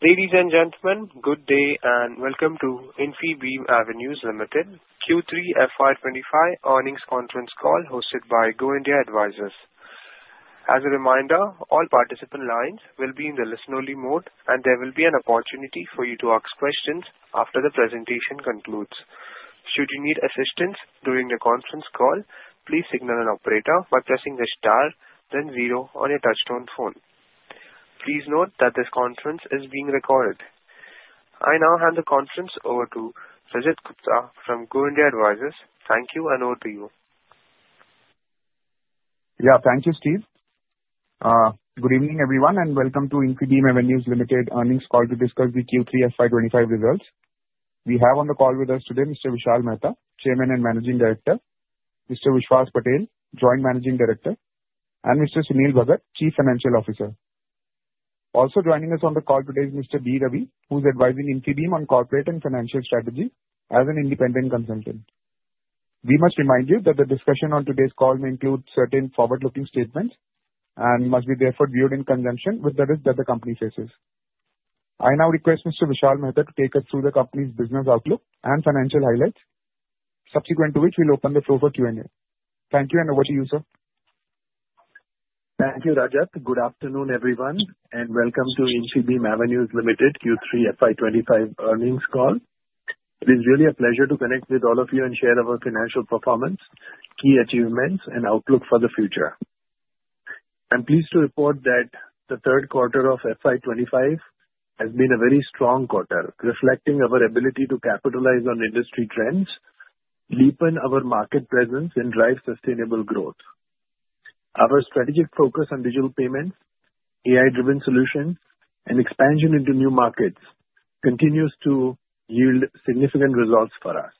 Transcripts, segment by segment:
Ladies and gentlemen, good day and welcome to Infibeam Avenues Limited Q3 FY25 earnings conference call hosted by Go India Advisors. As a reminder, all participant lines will be in the listen-only mode, and there will be an opportunity for you to ask questions after the presentation concludes. Should you need assistance during the conference call, please signal an operator by pressing the star, then zero on your touch-tone phone. Please note that this conference is being recorded. I now hand the conference over to Rajat Gupta from Go India Advisors. Thank you, and over to you. Yeah, thank you, Steve. Good evening, everyone, and welcome to Infibeam Avenues Limited earnings call to discuss the Q3 FY25 results. We have on the call with us today Mr. Vishal Mehta, Chairman and Managing Director, Mr. Vishwas Patel, Joint Managing Director, and Mr. Sunil Bhagat, Chief Financial Officer. Also joining us on the call today is Mr. B. Ravi, who's advising Infibeam on corporate and financial strategy as an independent consultant. We must remind you that the discussion on today's call may include certain forward-looking statements, and must be therefore viewed in conjunction with the risk that the company faces. I now request Mr. Vishal Mehta to take us through the company's business outlook and financial highlights, subsequent to which we'll open the floor for Q&A. Thank you, and over to you, sir. Thank you, Rajat. Good afternoon, everyone, and welcome to Infibeam Avenues Limited Q3 FY25 earnings call. It is really a pleasure to connect with all of you and share our financial performance, key achievements, and outlook for the future. I'm pleased to report that the third quarter of FY25 has been a very strong quarter, reflecting our ability to capitalize on industry trends, deepen our market presence, and drive sustainable growth. Our strategic focus on digital payments, AI-driven solutions, and expansion into new markets continues to yield significant results for us.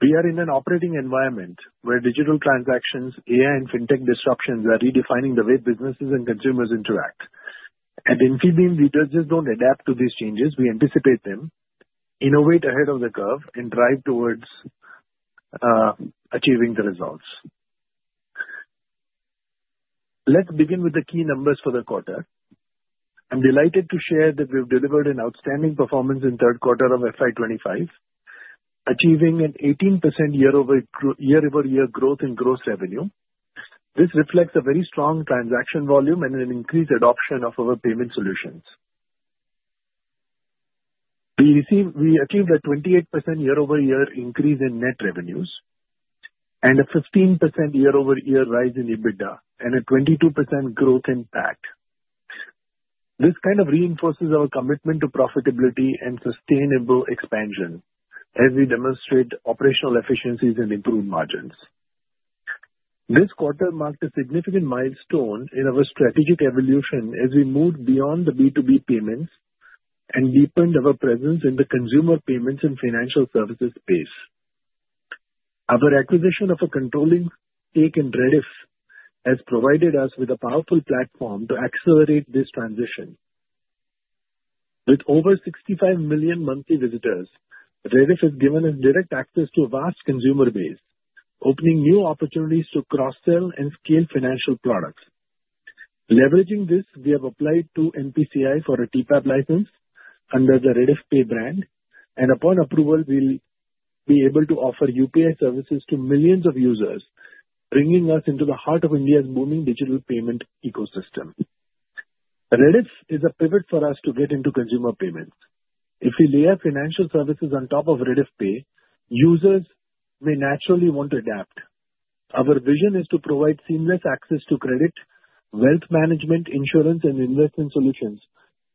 We are in an operating environment where digital transactions, AI, and fintech disruptions are redefining the way businesses and consumers interact. At Infibeam, we just don't adapt to these changes. We anticipate them, innovate ahead of the curve, and drive towards achieving the results. Let's begin with the key numbers for the quarter. I'm delighted to share that we've delivered an outstanding performance in the third quarter of FY25, achieving an 18% year-over-year growth in gross revenue. This reflects a very strong transaction volume and an increased adoption of our payment solutions. We achieved a 28% year-over-year increase in net revenues and a 15% year-over-year rise in EBITDA and a 22% growth in PAT. This kind of reinforces our commitment to profitability and sustainable expansion as we demonstrate operational efficiencies and improved margins. This quarter marked a significant milestone in our strategic evolution as we moved beyond the B2B payments and deepened our presence in the consumer payments and financial services space. Our acquisition of a controlling stake in Rediff has provided us with a powerful platform to accelerate this transition. With over 65 million monthly visitors, Rediff has given us direct access to a vast consumer base, opening new opportunities to cross-sell and scale financial products. Leveraging this, we have applied to NPCI for a TPAP license under the RediffPay brand, and upon approval, we'll be able to offer UPI services to millions of users, bringing us into the heart of India's booming digital payment ecosystem. Rediff is a pivot for us to get into consumer payments. If we layer financial services on top of RediffPay, users may naturally want to adapt. Our vision is to provide seamless access to credit, wealth management, insurance, and investment solutions,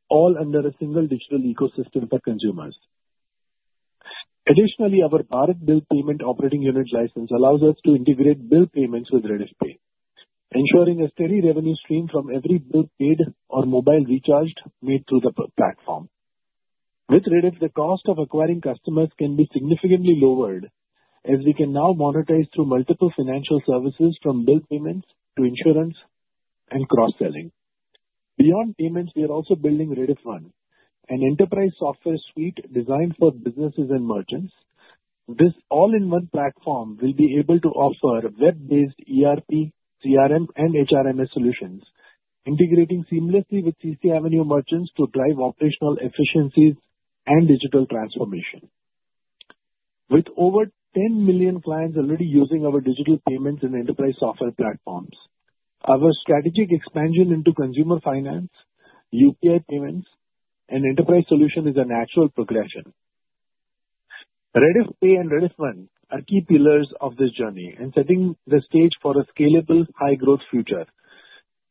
all under a single digital ecosystem for consumers. Additionally, our Bharat Bill Payment Operating Unit license allows us to integrate bill payments with RediffPay, ensuring a steady revenue stream from every bill paid or mobile recharged made through the platform. With Rediff, the cost of acquiring customers can be significantly lowered as we can now monetize through multiple financial services from bill payments to insurance and cross-selling. Beyond payments, we are also building Rediff One, an enterprise software suite designed for businesses and merchants. This all-in-one platform will be able to offer web-based ERP, CRM, and HRMS solutions, integrating seamlessly with CCAvenue merchants to drive operational efficiencies and digital transformation. With over 10 million clients already using our digital payments and enterprise software platforms, our strategic expansion into consumer finance, UPI payments, and enterprise solutions is a natural progression. RediffPay and Rediff One are key pillars of this journey and setting the stage for a scalable, high-growth future.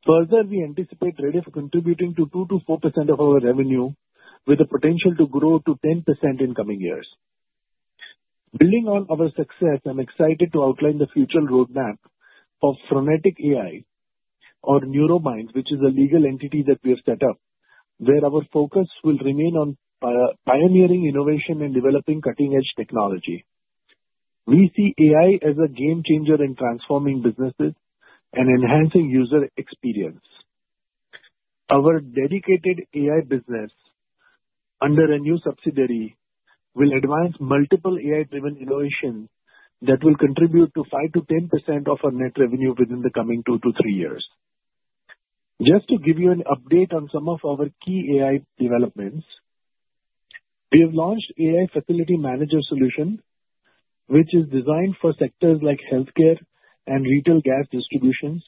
Further, we anticipate Rediff contributing to 2%-4% of our revenue, with the potential to grow to 10% in coming years. Building on our success, I'm excited to outline the future roadmap for Phronetic.AI, or NeuroMinds, which is a legal entity that we have set up, where our focus will remain on pioneering innovation and developing cutting-edge technology. We see AI as a game-changer in transforming businesses and enhancing user experience. Our dedicated AI business, under a new subsidiary, will advance multiple AI-driven innovations that will contribute to 5% to 10% of our net revenue within the coming 2 to 3 years. Just to give you an update on some of our key AI developments, we have launched an AI facility manager solution, which is designed for sectors like healthcare and retail gas distributions.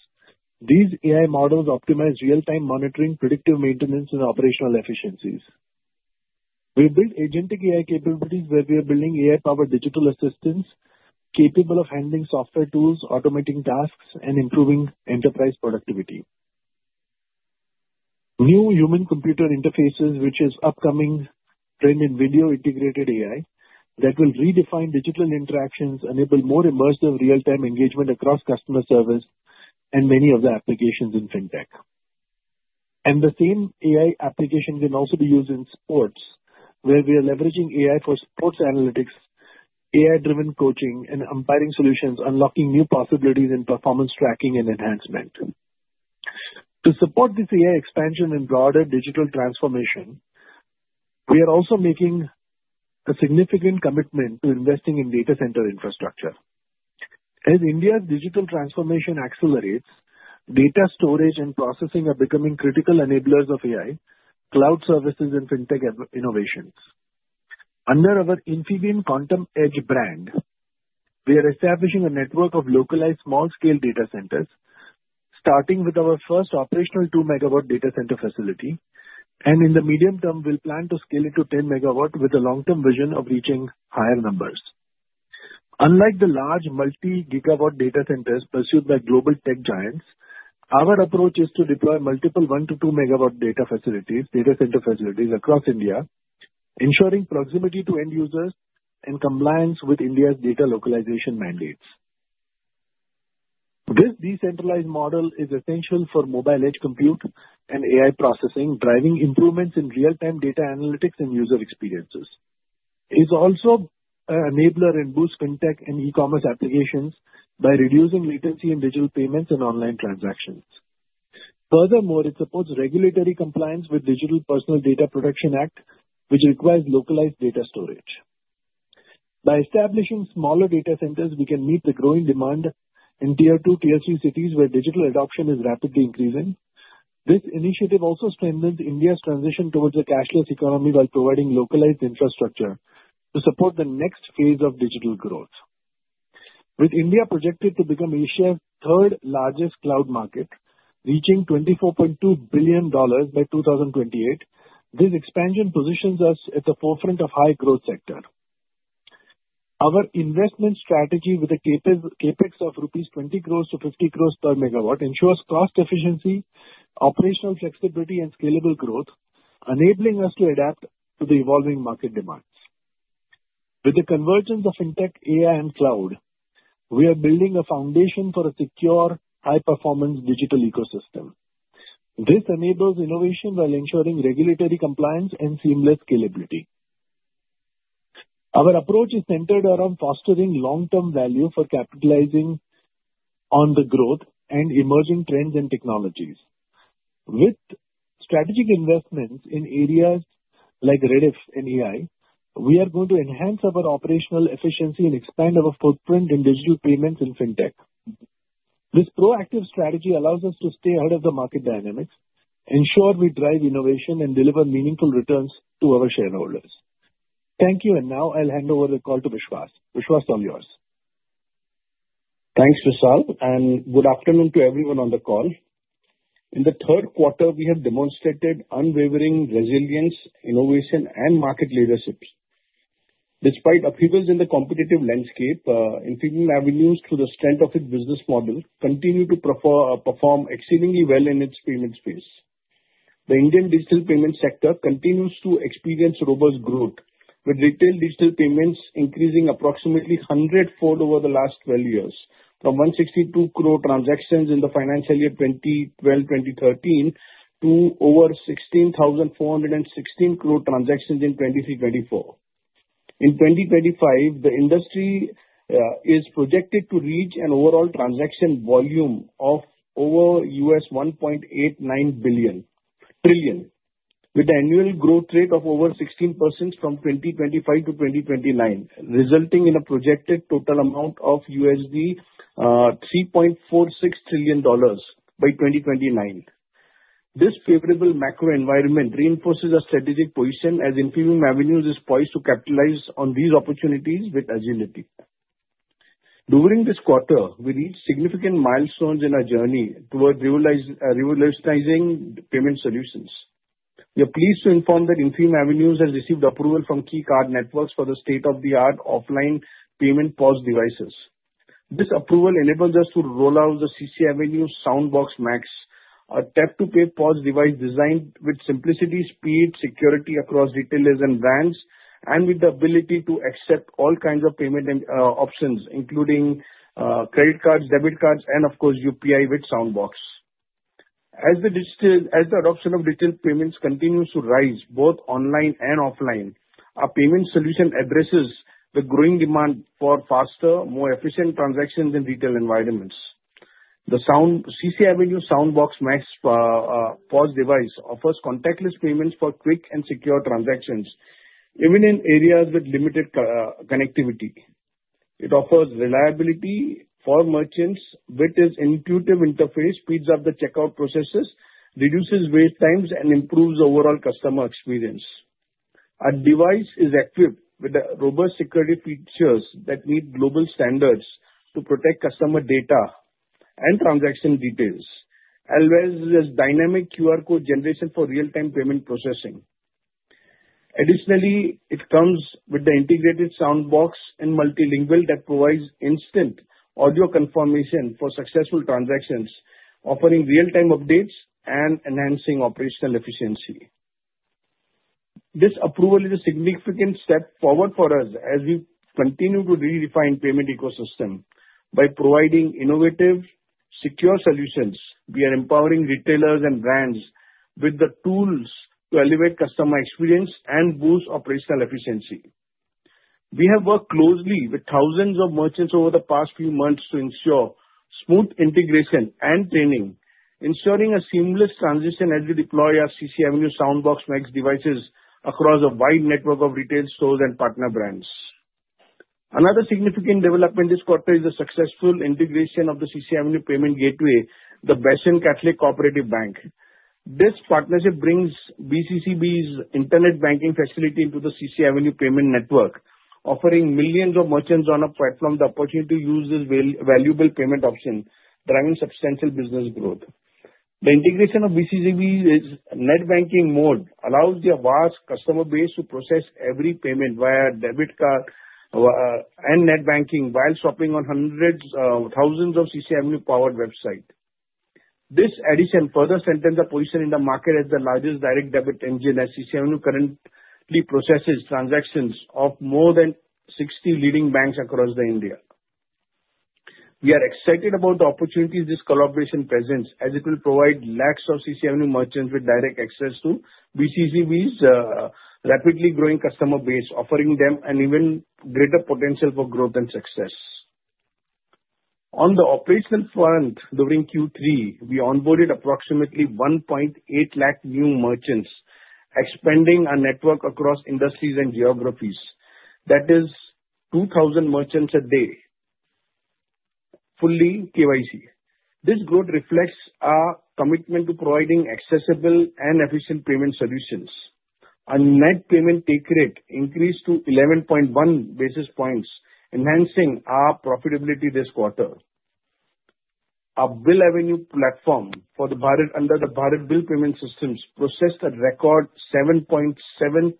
These AI models optimize real-time monitoring, predictive maintenance, and operational efficiencies. We have built agentic AI capabilities where we are building AI-powered digital assistants capable of handling software tools, automating tasks, and improving enterprise productivity. New human-computer interfaces, which is an upcoming trend in video integrated AI, will redefine digital interactions, enable more immersive real-time engagement across customer service and many of the applications in fintech. And the same AI application can also be used in sports, where we are leveraging AI for sports analytics, AI-driven coaching, and umpiring solutions, unlocking new possibilities in performance tracking and enhancement. To support this AI expansion and broader digital transformation, we are also making a significant commitment to investing in data center infrastructure. As India's digital transformation accelerates, data storage and processing are becoming critical enablers of AI, cloud services, and fintech innovations. Under our Infibeam Quantum Edge brand, we are establishing a network of localized small-scale data centers, starting with our first operational 2-megawatt data center facility, and in the medium term, we'll plan to scale it to 10 megawatt with a long-term vision of reaching higher numbers. Unlike the large multi-gigawatt data centers pursued by global tech giants, our approach is to deploy multiple 1 to 2-megawatt data facilities, data center facilities across India, ensuring proximity to end users and compliance with India's data localization mandates. This decentralized model is essential for mobile-edge compute and AI processing, driving improvements in real-time data analytics and user experiences. It's also an enabler and boosts fintech and e-commerce applications by reducing latency in digital payments and online transactions. Furthermore, it supports regulatory compliance with the Digital Personal Data Protection Act, which requires localized data storage. By establishing smaller data centers, we can meet the growing demand in Tier 2, Tier 3 cities where digital adoption is rapidly increasing. This initiative also strengthens India's transition towards a cashless economy while providing localized infrastructure to support the next phase of digital growth. With India projected to become Asia's third-largest cloud market, reaching $24.2 billion by 2028, this expansion positions us at the forefront of the high-growth sector. Our investment strategy, with a CapEx of rupees 20-50 crores per megawatt, ensures cost efficiency, operational flexibility, and scalable growth, enabling us to adapt to the evolving market demands. With the convergence of fintech, AI, and cloud, we are building a foundation for a secure, high-performance digital ecosystem. This enables innovation while ensuring regulatory compliance and seamless scalability. Our approach is centered around fostering long-term value for capitalizing on the growth and emerging trends and technologies. With strategic investments in areas like Rediff and AI, we are going to enhance our operational efficiency and expand our footprint in digital payments and fintech. This proactive strategy allows us to stay ahead of the market dynamics, ensure we drive innovation, and deliver meaningful returns to our shareholders. Thank you, and now I'll hand over the call to Vishwas. Vishwas, it's all yours. Thanks, Vishal, and good afternoon to everyone on the call. In the third quarter, we have demonstrated unwavering resilience, innovation, and market leadership. Despite upheavals in the competitive landscape, Infibeam Avenues, through the strength of its business model, continue to perform exceedingly well in its payment space. The Indian digital payment sector continues to experience robust growth, with retail digital payments increasing approximately 104 over the last 12 years, from 162 crore transactions in the financial year 2012-2013 to over 16,416 crore transactions in 2023-24. In 2025, the industry is projected to reach an overall transaction volume of over $1.89 trillion, with an annual growth rate of over 16% from 2025 to 2029, resulting in a projected total amount of $3.46 trillion by 2029. This favorable macro environment reinforces our strategic position as Infibeam Avenues is poised to capitalize on these opportunities with agility. During this quarter, we reached significant milestones in our journey towards revolutionizing payment solutions. We are pleased to inform that Infibeam Avenues has received approval from key card networks for the state-of-the-art offline payment POS devices. This approval enables us to roll out the CCAvenue SoundBox Max, a tap-to-pay POS device designed with simplicity, speed, security across retailers and brands, and with the ability to accept all kinds of payment options, including credit cards, debit cards, and, of course, UPI with Soundbox. As the adoption of digital payments continues to rise, both online and offline, our payment solution addresses the growing demand for faster, more efficient transactions in retail environments. The CCAvenue SoundBox Max POS device offers contactless payments for quick and secure transactions, even in areas with limited connectivity. It offers reliability for merchants, with its intuitive interface, speeds up the checkout processes, reduces wait times, and improves overall customer experience. Our device is equipped with robust security features that meet global standards to protect customer data and transaction details, as well as dynamic QR code generation for real-time payment processing. Additionally, it comes with the integrated soundbox and multilingual that provides instant audio confirmation for successful transactions, offering real-time updates and enhancing operational efficiency. This approval is a significant step forward for us as we continue to redefine the payment ecosystem. By providing innovative, secure solutions, we are empowering retailers and brands with the tools to elevate customer experience and boost operational efficiency. We have worked closely with thousands of merchants over the past few months to ensure smooth integration and training, ensuring a seamless transition as we deploy our CCAvenue SoundBox Max devices across a wide network of retail stores and partner brands. Another significant development this quarter is the successful integration of the CCAvenue payment gateway, the Bassein Catholic Cooperative Bank. This partnership brings BCCB's internet banking facility into the CCAvenue payment network, offering millions of merchants on a platform the opportunity to use this valuable payment option, driving substantial business growth. The integration of BCCB's net banking mode allows the vast customer base to process every payment via debit card and net banking while shopping on hundreds of thousands of CCAvenue-powered websites. This addition further strengthens our position in the market as the largest direct debit engine, as CCAvenue currently processes transactions of more than 60 leading banks across India. We are excited about the opportunities this collaboration presents, as it will provide lakhs of CCAvenue merchants with direct access to BCCB's rapidly growing customer base, offering them an even greater potential for growth and success. On the operational front, during Q3, we onboarded approximately 1.8 lakh new merchants, expanding our network across industries and geographies. That is 2,000 merchants a day, fully KYC. This growth reflects our commitment to providing accessible and efficient payment solutions. Our net payment take rate increased to 11.1 basis points, enhancing our profitability this quarter. Our BillAvenue platform for the Bharat Bill Payment System processed a record 7.7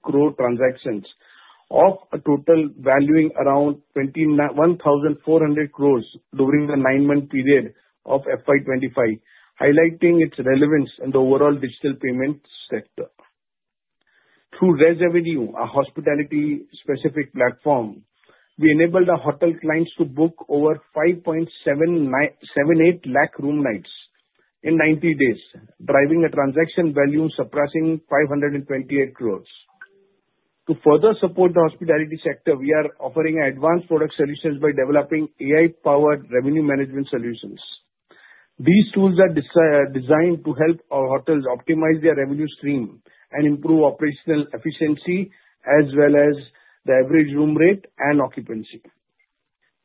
crore transactions of a total valuing around 1,400 crores during the nine-month period of FY25, highlighting its relevance in the overall digital payment sector. Through ResAvenue, our hospitality-specific platform, we enabled our hotel clients to book over 5.78 lakh room nights in 90 days, driving a transaction value surpassing 528 crores. To further support the hospitality sector, we are offering advanced product solutions by developing AI-powered revenue management solutions. These tools are designed to help our hotels optimize their revenue stream and improve operational efficiency, as well as the average room rate and occupancy.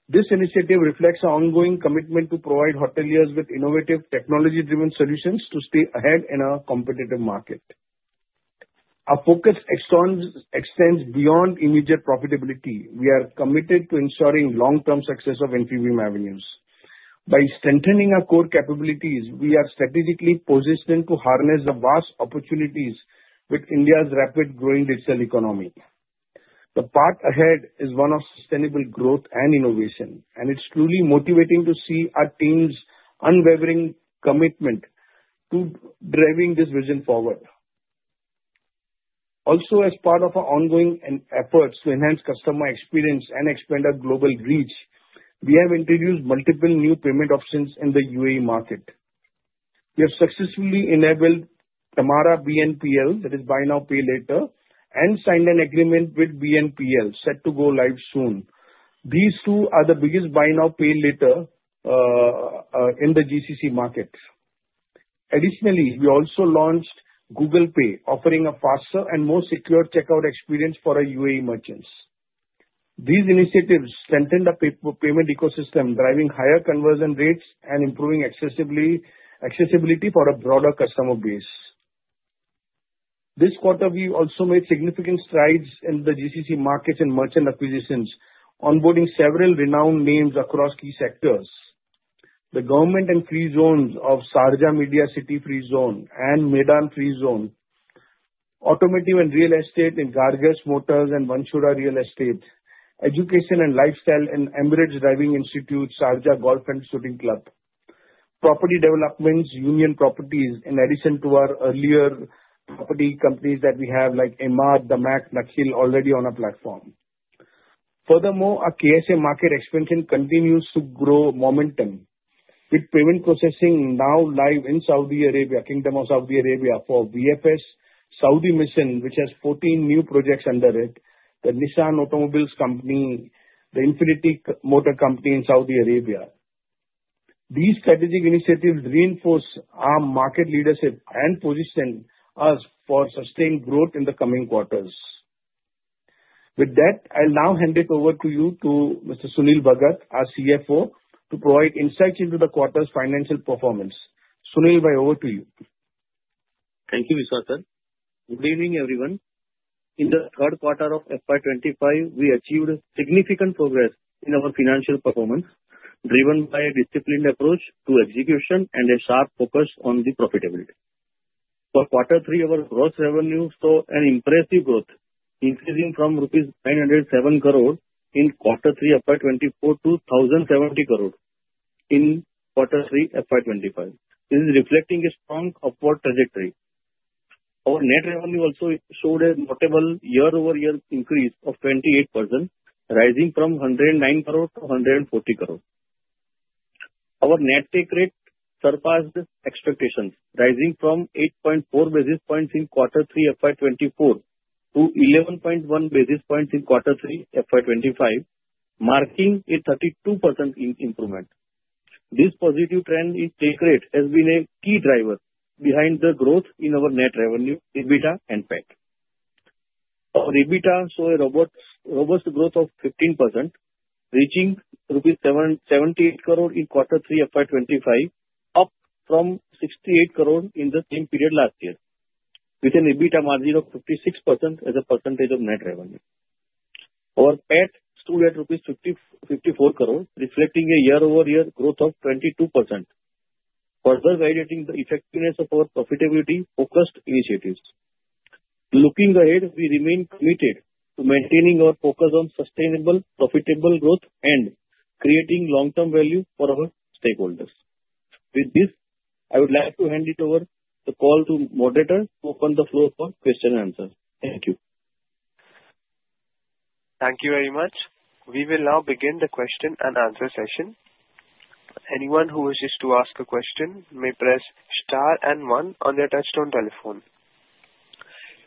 This initiative reflects our ongoing commitment to provide hoteliers with innovative technology-driven solutions to stay ahead in a competitive market. Our focus extends beyond immediate profitability. We are committed to ensuring long-term success of Infibeam Avenues. By strengthening our core capabilities, we are strategically positioned to harness the vast opportunities with India's rapidly growing digital economy. The path ahead is one of sustainable growth and innovation, and it's truly motivating to see our team's unwavering commitment to driving this vision forward. Also, as part of our ongoing efforts to enhance customer experience and expand our global reach, we have introduced multiple new payment options in the UAE market. We have successfully enabled Tamara BNPL, that is Buy Now Pay Later, and signed an agreement with BNPL, set to go live soon. These two are the biggest Buy Now Pay Later in the GCC market. Additionally, we also launched Google Pay, offering a faster and more secure checkout experience for our UAE merchants. These initiatives strengthen the payment ecosystem, driving higher conversion rates and improving accessibility for a broader customer base. This quarter, we also made significant strides in the GCC markets and merchant acquisitions, onboarding several renowned names across key sectors: the government and free zones of Sharjah Media City Free Zone and Meydan Free Zone, automotive and real estate in Gargash Motors and Ventura Real Estate, education and lifestyle in Emirates Driving Institute, Sharjah Golf and Shooting Club, property developments, Union Properties, in addition to our earlier property companies that we have, like Emaar, DAMAC, Nakheel, already on our platform. Furthermore, our KSA market expansion continues to grow momentum, with payment processing now live in Saudi Arabia, Kingdom of Saudi Arabia, for VFS Saudi Mission, which has 14 new projects under it, the Nissan Automobiles Company, the Infiniti Motor Company in Saudi Arabia. These strategic initiatives reinforce our market leadership and position us for sustained growth in the coming quarters. With that, I'll now hand it over to you, to Mr. Sunil Bhagat, our CFO, to provide insights into the quarter's financial performance. Sunil, over to you. Thank you, Vishal Sir. Good evening, everyone. In the third quarter of FY25, we achieved significant progress in our financial performance, driven by a disciplined approach to execution and a sharp focus on profitability. For quarter three, our gross revenue saw an impressive growth, increasing from 907 crore rupees in quarter three FY24 to 1,070 crore in quarter three FY25. This is reflecting a strong upward trajectory. Our net revenue also showed a notable year-over-year increase of 28%, rising from 109 crore to 140 crore. Our net take rate surpassed expectations, rising from 8.4 basis points in quarter three FY24 to 11.1 basis points in quarter three FY25, marking a 32% improvement. This positive trend in take rate has been a key driver behind the growth in our net revenue, EBITDA and PAT. Our EBITDA saw a robust growth of 15%, reaching rupees 78 crore in quarter three FY25, up from 68 crore in the same period last year, with an EBITDA margin of 56% as a percentage of net revenue. Our PAT stood at rupees 54 crore, reflecting a year-over-year growth of 22%, further validating the effectiveness of our profitability-focused initiatives. Looking ahead, we remain committed to maintaining our focus on sustainable, profitable growth, and creating long-term value for our stakeholders. With this, I would like to hand over the call to the moderators to open the floor for questions and answers. Thank you. Thank you very much. We will now begin the question and answer session. Anyone who wishes to ask a question may press star and one on their touch-tone telephone.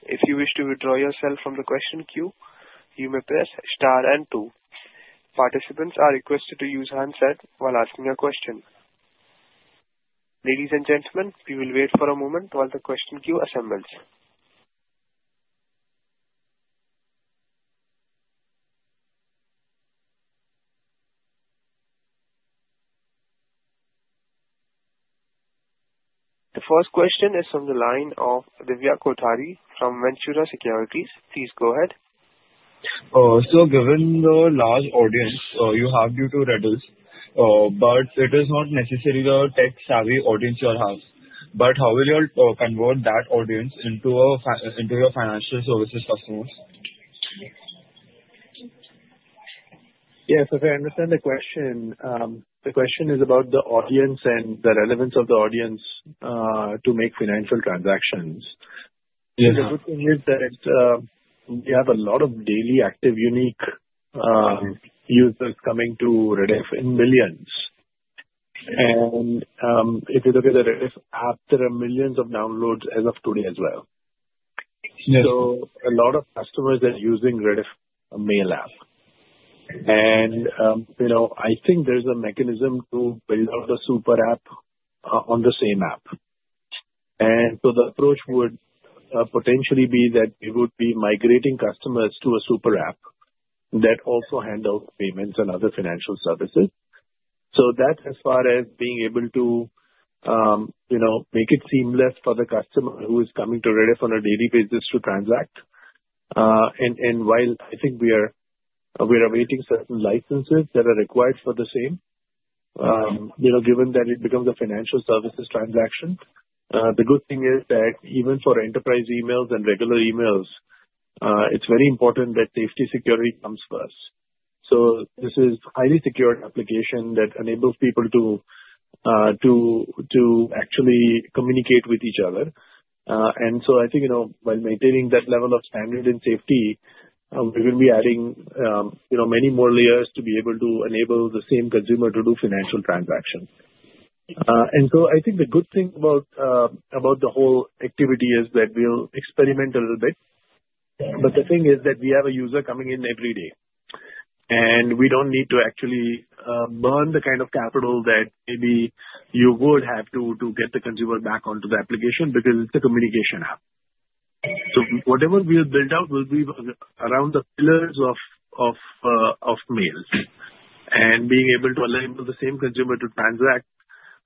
If you wish to withdraw yourself from the question queue, you may press star and two. Participants are requested to use handset while asking a question. Ladies and gentlemen, we will wait for a moment while the question queue assembles. The first question is from the line of Divya Kothari from Ventura Securities. Please go ahead. So, given the large audience you have due to Rediff, but it is not necessarily a tech-savvy audience you have. But how will you convert that audience into your financial services customers? Yes, if I understand the question, the question is about the audience and the relevance of the audience to make financial transactions. Yes. The good thing is that we have a lot of daily active, unique users coming to Rediff in millions, and if you look at the Rediff app, there are millions of downloads as of today as well. Yes. So a lot of customers are using Rediffmail app. And I think there's a mechanism to build out a super app on the same app. And so the approach would potentially be that we would be migrating customers to a super app that also handles payments and other financial services. So that's as far as being able to make it seamless for the customer who is coming to Rediff on a daily basis to transact. And while I think we are awaiting certain licenses that are required for the same, given that it becomes a financial services transaction, the good thing is that even for enterprise emails and regular emails, it's very important that safety security comes first. So this is a highly secured application that enables people to actually communicate with each other. And so I think while maintaining that level of standard and safety, we will be adding many more layers to be able to enable the same consumer to do financial transactions. And so I think the good thing about the whole activity is that we'll experiment a little bit. But the thing is that we have a user coming in every day, and we don't need to actually burn the kind of capital that maybe you would have to get the consumer back onto the application because it's a communication app. So whatever we have built out will be around the pillars of mail and being able to enable the same consumer to transact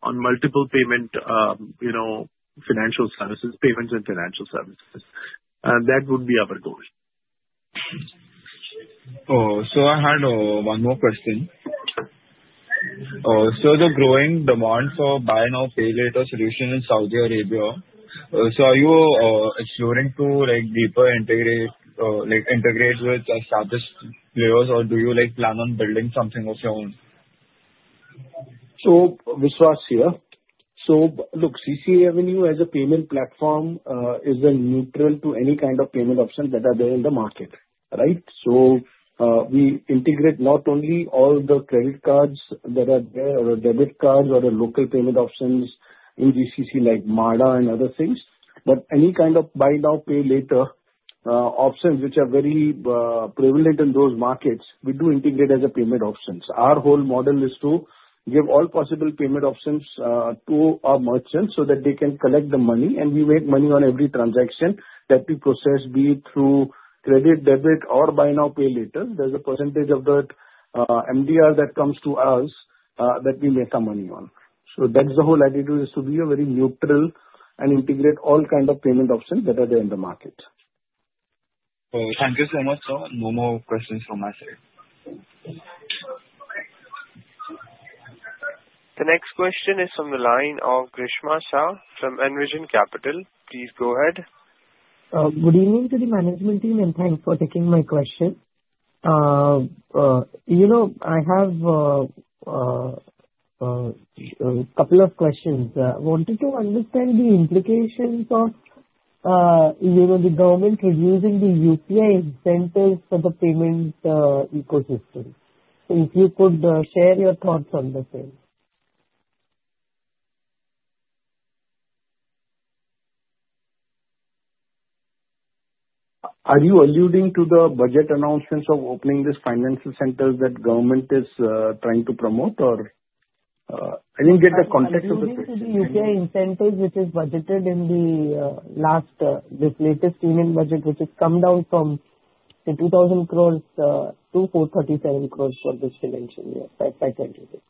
on multiple payment financial services, payments and financial services. That would be our goal. So I had one more question. So the growing demand for Buy Now, Pay Later solutions in Saudi Arabia, so are you exploring to deeper integrate with established players or do you plan on building something of your own? So Vishwas here. Look, CCAvenue as a payment platform is neutral to any kind of payment options that are there in the market, right? We integrate not only all the credit cards that are there or debit cards or local payment options in GCC like MADA and other things, but any kind of Buy Now, Pay Later options which are very prevalent in those markets, we do integrate as payment options. Our whole model is to give all possible payment options to our merchants so that they can collect the money, and we make money on every transaction that we process, be it through credit, debit, or Buy Now, Pay Later. There's a percentage of that MDR that comes to us that we make our money on. So that's the whole attitude, is to be very neutral and integrate all kinds of payment options that are there in the market. Thank you so much, sir. No more questions from my side. The next question is from the line of Kresha Shah from Envision Capital. Please go ahead. Good evening to the management team, and thanks for taking my question. I have a couple of questions. I wanted to understand the implications of the government reducing the UPI incentives for the payment ecosystem. So if you could share your thoughts on the same. Are you alluding to the budget announcements of opening these financial centers that the government is trying to promote, or I didn't get the context of the question? I mean, the UPI incentives, which is budgeted in the last latest Union Budget, which has come down from 2,000 crores to 437 crores for this financial year, if I can read it.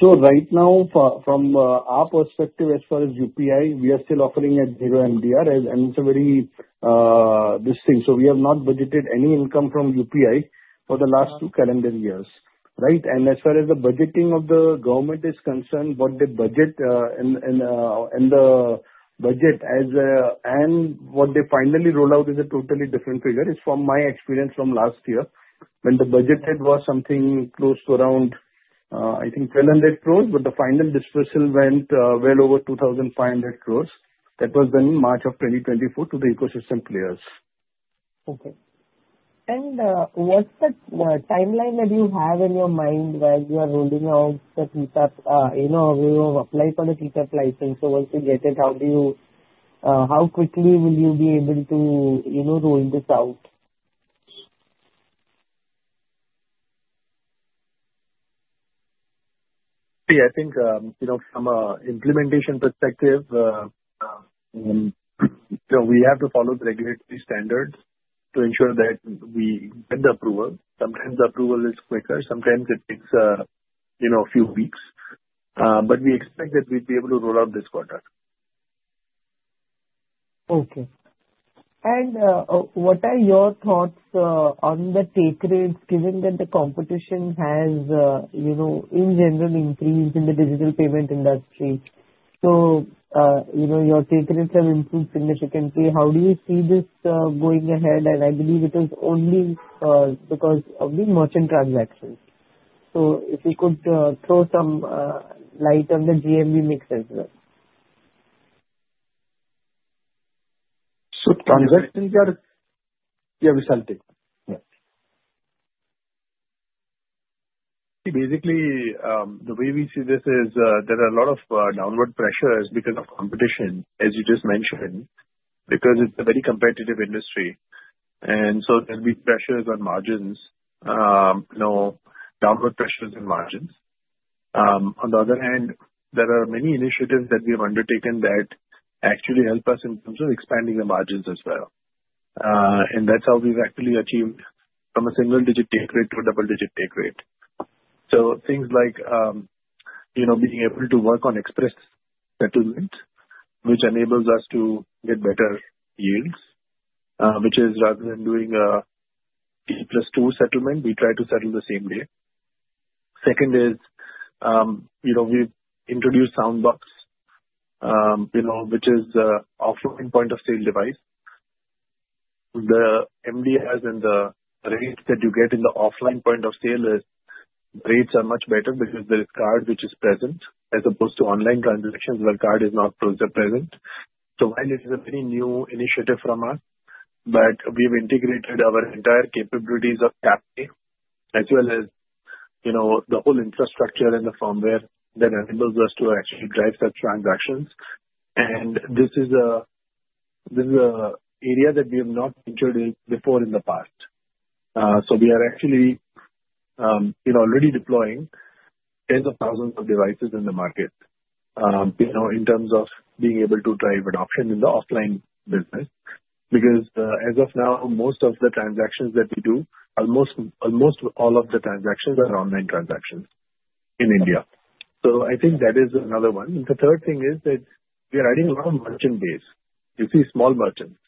So right now, from our perspective, as far as UPI, we are still offering at zero MDR, and it's a very this thing. So we have not budgeted any income from UPI for the last two calendar years, right? And as far as the budgeting of the government is concerned, what they budget and the budget and what they finally roll out is a totally different figure. It's from my experience from last year when the budgeted was something close to around, I think, ₹1,200 crores, but the final disbursal went well over ₹2,500 crores. That was done in March of 2024 to the ecosystem players. Okay. And what's the timeline that you have in your mind while you are rolling out the TPAP? We have applied for the TPAP license. So once you get it, how quickly will you be able to roll this out? See, I think from an implementation perspective, we have to follow the regulatory standards to ensure that we get the approval. Sometimes the approval is quicker. Sometimes it takes a few weeks. But we expect that we'll be able to roll out this quarter. Okay. And what are your thoughts on the take rates, given that the competition has, in general, increased in the digital payment industry? So your take rates have improved significantly. How do you see this going ahead? And I believe it is only because of the merchant transactions. So if you could throw some light on the GMV mix as well. Transactions are, yeah, Vishal, take it. Basically, the way we see this is there are a lot of downward pressures because of competition, as you just mentioned, because it's a very competitive industry. And so there'll be pressures on margins, downward pressures on margins. On the other hand, there are many initiatives that we have undertaken that actually help us in terms of expanding the margins as well. And that's how we've actually achieved from a single-digit take rate to a double-digit take rate. Things like being able to work on express settlements, which enables us to get better yields, which is rather than doing a T plus two settlement, we try to settle the same day. Second is we've introduced Soundbox, which is an offline point-of-sale device. The MDRs and the rates that you get in the offline point of sale rates are much better because there is card, which is present, as opposed to online transactions where card is not present. While it is a very new initiative from us, we've integrated our entire capabilities of TapPay, as well as the whole infrastructure and the firmware that enables us to actually drive such transactions. This is an area that we have not introduced before in the past. We are actually already deploying tens of thousands of devices in the market in terms of being able to drive adoption in the offline business because, as of now, most of the transactions that we do, almost all of the transactions are online transactions in India. I think that is another one. And the third thing is that we are adding a lot of merchant base. You see small merchants.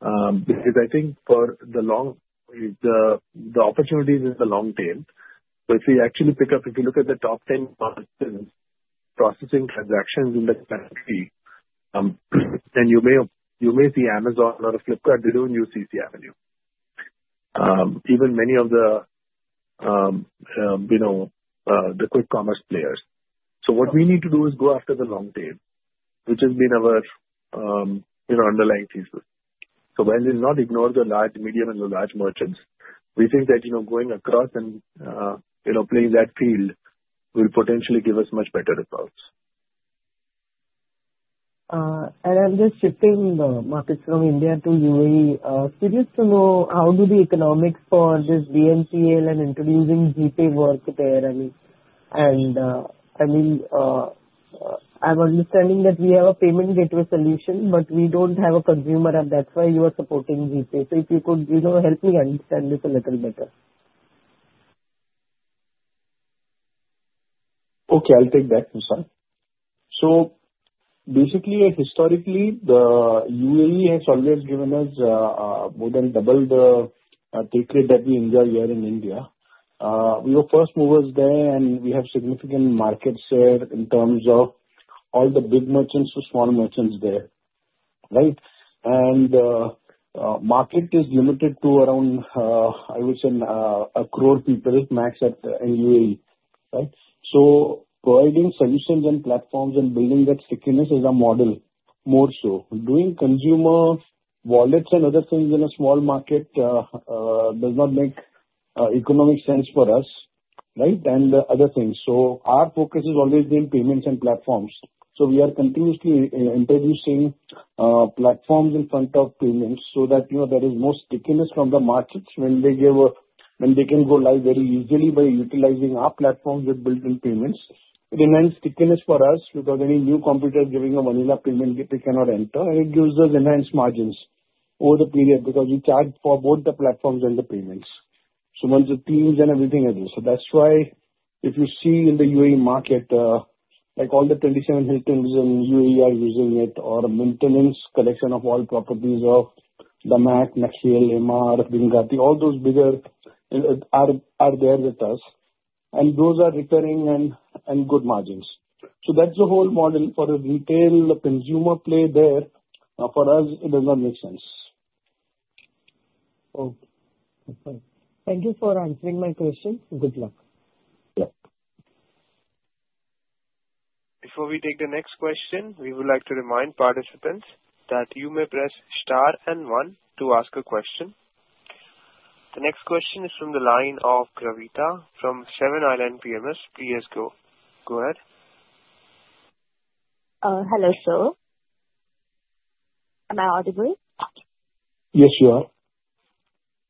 Because I think for the opportunities in the long tail, if we actually pick up, if you look at the top 10 markets processing transactions in the country, then you may see Amazon or Flipkart. They don't use CCAvenue, even many of the quick commerce players. So what we need to do is go after the long tail, which has been our underlying thesis. So while we'll not ignore the large, medium, and the large merchants, we think that going across and playing that field will potentially give us much better results. I'm just shifting the markets from India to UAE. Curious to know how do the economics for this BNPL and introducing GPay work there. And I mean, I'm understanding that we have a payment gateway solution, but we don't have a consumer, and that's why you are supporting GPay. So if you could help me understand this a little better. Okay, I'll take that, Vishal. So basically, historically, the UAE has always given us more than double the take rate that we enjoy here in India. We were first movers there, and we have significant market share in terms of all the big merchants to small merchants there, right? And the market is limited to around, I would say, a crore people max at UAE, right? So providing solutions and platforms and building that stickiness is a model more so. Doing consumer wallets and other things in a small market does not make economic sense for us, right, and other things. So our focus has always been payments and platforms. So we are continuously introducing platforms in front of payments so that there is more stickiness from the markets when they can go live very easily by utilizing our platforms with built-in payments. It enhances stickiness for us because any new competitor giving a vanilla payment, they cannot enter, and it gives us enhanced margins over the period because we charge for both the platforms and the payments. So once the teams and everything is there. So that's why if you see in the UAE market, all the 27 Hiltons in UAE are using it, our maintenance collection of all properties of the DAMAC, Nakheel, Emaar, Binghatti; all those bigger are there with us, and those are recurring and good margins. That's the whole model for the retail, the consumer play there. For us, it does not make sense. Okay. Thank you for answering my questions. Good luck. Yeah. Before we take the next question, we would like to remind participants that you may press star and one to ask a question. The next question is from the line of Garvit Goyal from Seven Islands PMS. Please go ahead. Hello, sir. Am I audible? Yes, you are.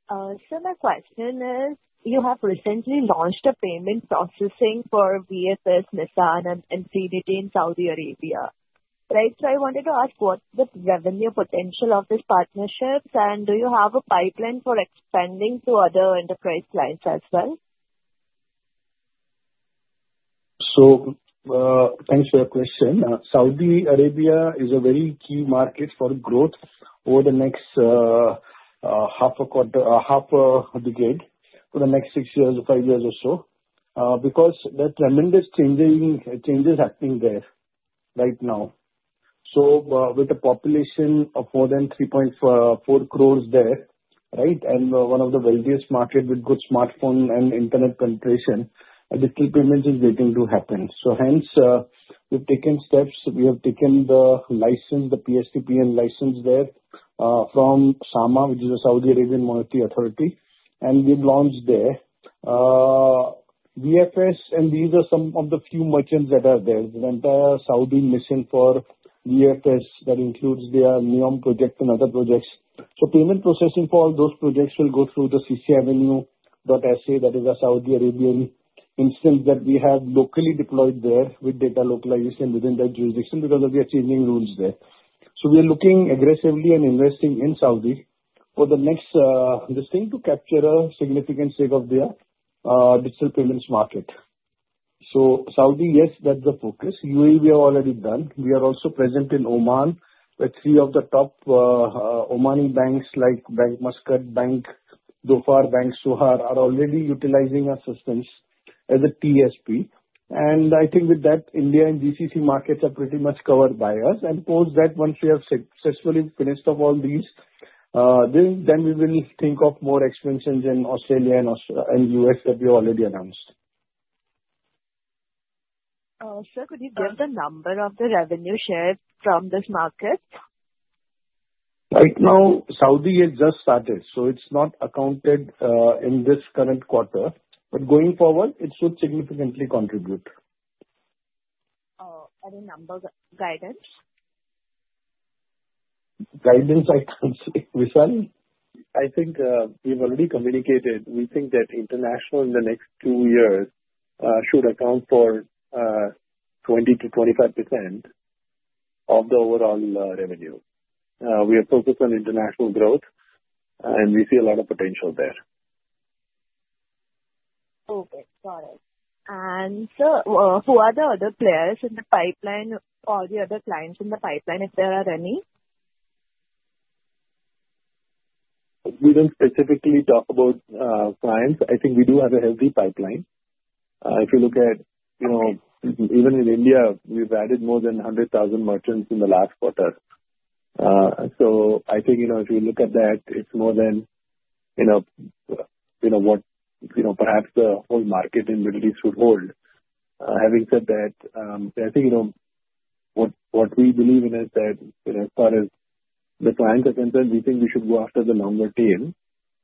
So my question is, you have recently launched a payment processing for VFS, Nissan, and MCDT in Saudi Arabia. Right? So I wanted to ask what's the revenue potential of this partnership, and do you have a pipeline for expanding to other enterprise clients as well? So thanks for your question. Saudi Arabia is a very key market for growth over the next half a decade, for the next six years or five years or so because there are tremendous changes happening there right now. So with a population of more than 3.4 crores there, right, and one of the wealthiest markets with good smartphone and internet penetration, digital payments is waiting to happen. So hence, we've taken steps. We have taken the license, the PTSP license there from SAMA, which is a Saudi Arabian monetary authority, and we've launched there. VFS, and these are some of the few merchants that are there. The entire Saudi mission for VFS that includes their NEOM project and other projects. So payment processing for all those projects will go through the CCAvenue.sa. That is a Saudi Arabian instance that we have locally deployed there with data localization within that jurisdiction because of the changing rules there. So we are looking aggressively and investing in Saudi for the next this thing to capture a significant stake of their digital payments market. So Saudi, yes, that's the focus. UAE, we have already done. We are also present in Oman with three of the top Omani banks like Bank Muscat, Bank Dhofar, Bank Sohar are already utilizing our systems as a TSP. And I think with that, India and GCC markets are pretty much covered by us. And post that, once we have successfully finished off all these, then we will think of more expansions in Australia and US that we have already announced. Sir, could you give the number of the revenue shares from this market? Right now, Saudi has just started, so it's not accounted in this current quarter. But going forward, it should significantly contribute. Any number guidance? Guidance, I can't say, Vishal. I think we've already communicated. We think that international in the next two years should account for 20%-25% of the overall revenue. We are focused on international growth, and we see a lot of potential there. Okay. Got it. And sir, who are the other players in the pipeline or the other clients in the pipeline, if there are any? We don't specifically talk about clients. I think we do have a healthy pipeline. If you look at even in India, we've added more than 100,000 merchants in the last quarter. So I think if you look at that, it's more than what perhaps the whole market in the Middle East would hold. Having said that, I think what we believe in is that as far as the clients are concerned, we think we should go after the longer tail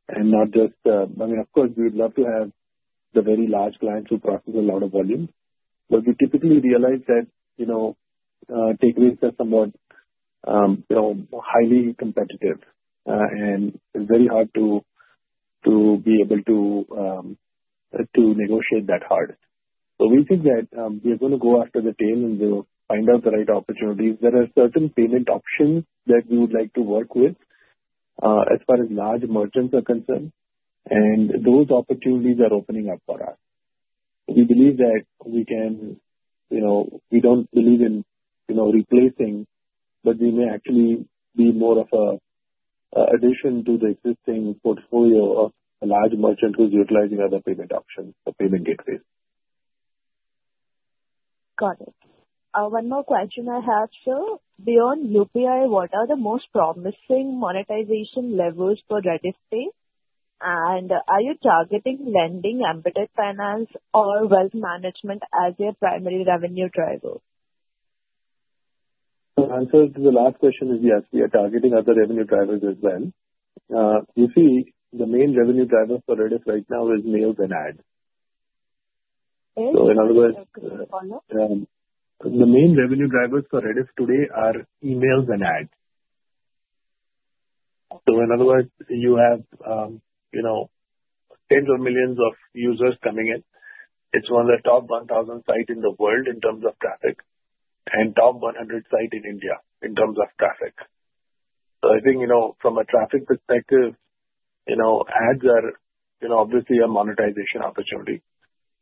and not just I mean, of course, we would love to have the very large clients who process a lot of volume. But we typically realize that take rates are somewhat highly competitive, and it's very hard to be able to negotiate that hard. So we think that we are going to go after the tail and find out the right opportunities. There are certain payment options that we would like to work with as far as large merchants are concerned, and those opportunities are opening up for us. We believe that we don't believe in replacing, but we may actually be more of an addition to the existing portfolio of a large merchant who's utilizing other payment options, the payment gateways. Got it. One more question I have, sir. Beyond UPI, what are the most promising monetization levels for Rediff Pay? And are you targeting lending, embedded finance, or wealth management as your primary revenue driver? The answer to the last question is yes. We are targeting other revenue drivers as well. You see, the main revenue driver for Rediff right now is mail than ad. Is? So in other words. Okay. Follow? The main revenue drivers for Rediff today are emails and ads. So in other words, you have tens of millions of users coming in. It's one of the top 1,000 sites in the world in terms of traffic and top 100 site in India in terms of traffic. So I think from a traffic perspective, ads are obviously a monetization opportunity.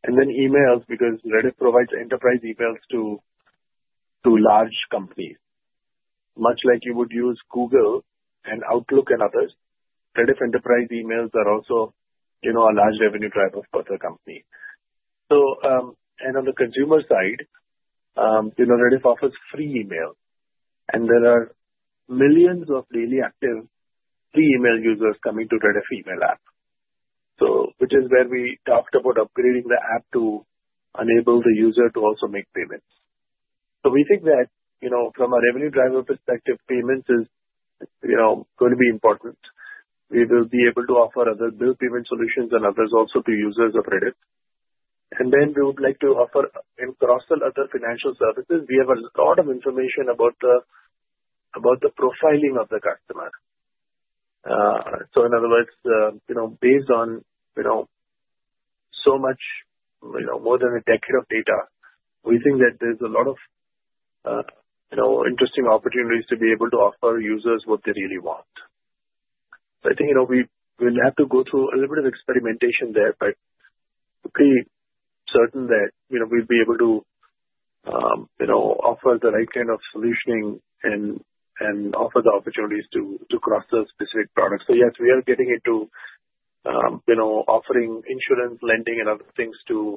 And then emails because Rediff provides enterprise emails to large companies. Much like you would use Google and Outlook and others, Rediff enterprise emails are also a large revenue driver for the company. And on the consumer side, Rediff offers free email. And there are millions of daily active free email users coming to Rediff's email app, which is where we talked about upgrading the app to enable the user to also make payments. So we think that from a revenue driver perspective, payments is going to be important. We will be able to offer other bill payment solutions and others also to users of Rediff, and then we would like to offer across the other financial services, we have a lot of information about the profiling of the customer, so in other words, based on so much more than a decade of data, we think that there's a lot of interesting opportunities to be able to offer users what they really want, so I think we will have to go through a little bit of experimentation there, but to be certain that we'll be able to offer the right kind of solutioning and offer the opportunities to cross those specific products, so yes, we are getting into offering insurance, lending, and other things to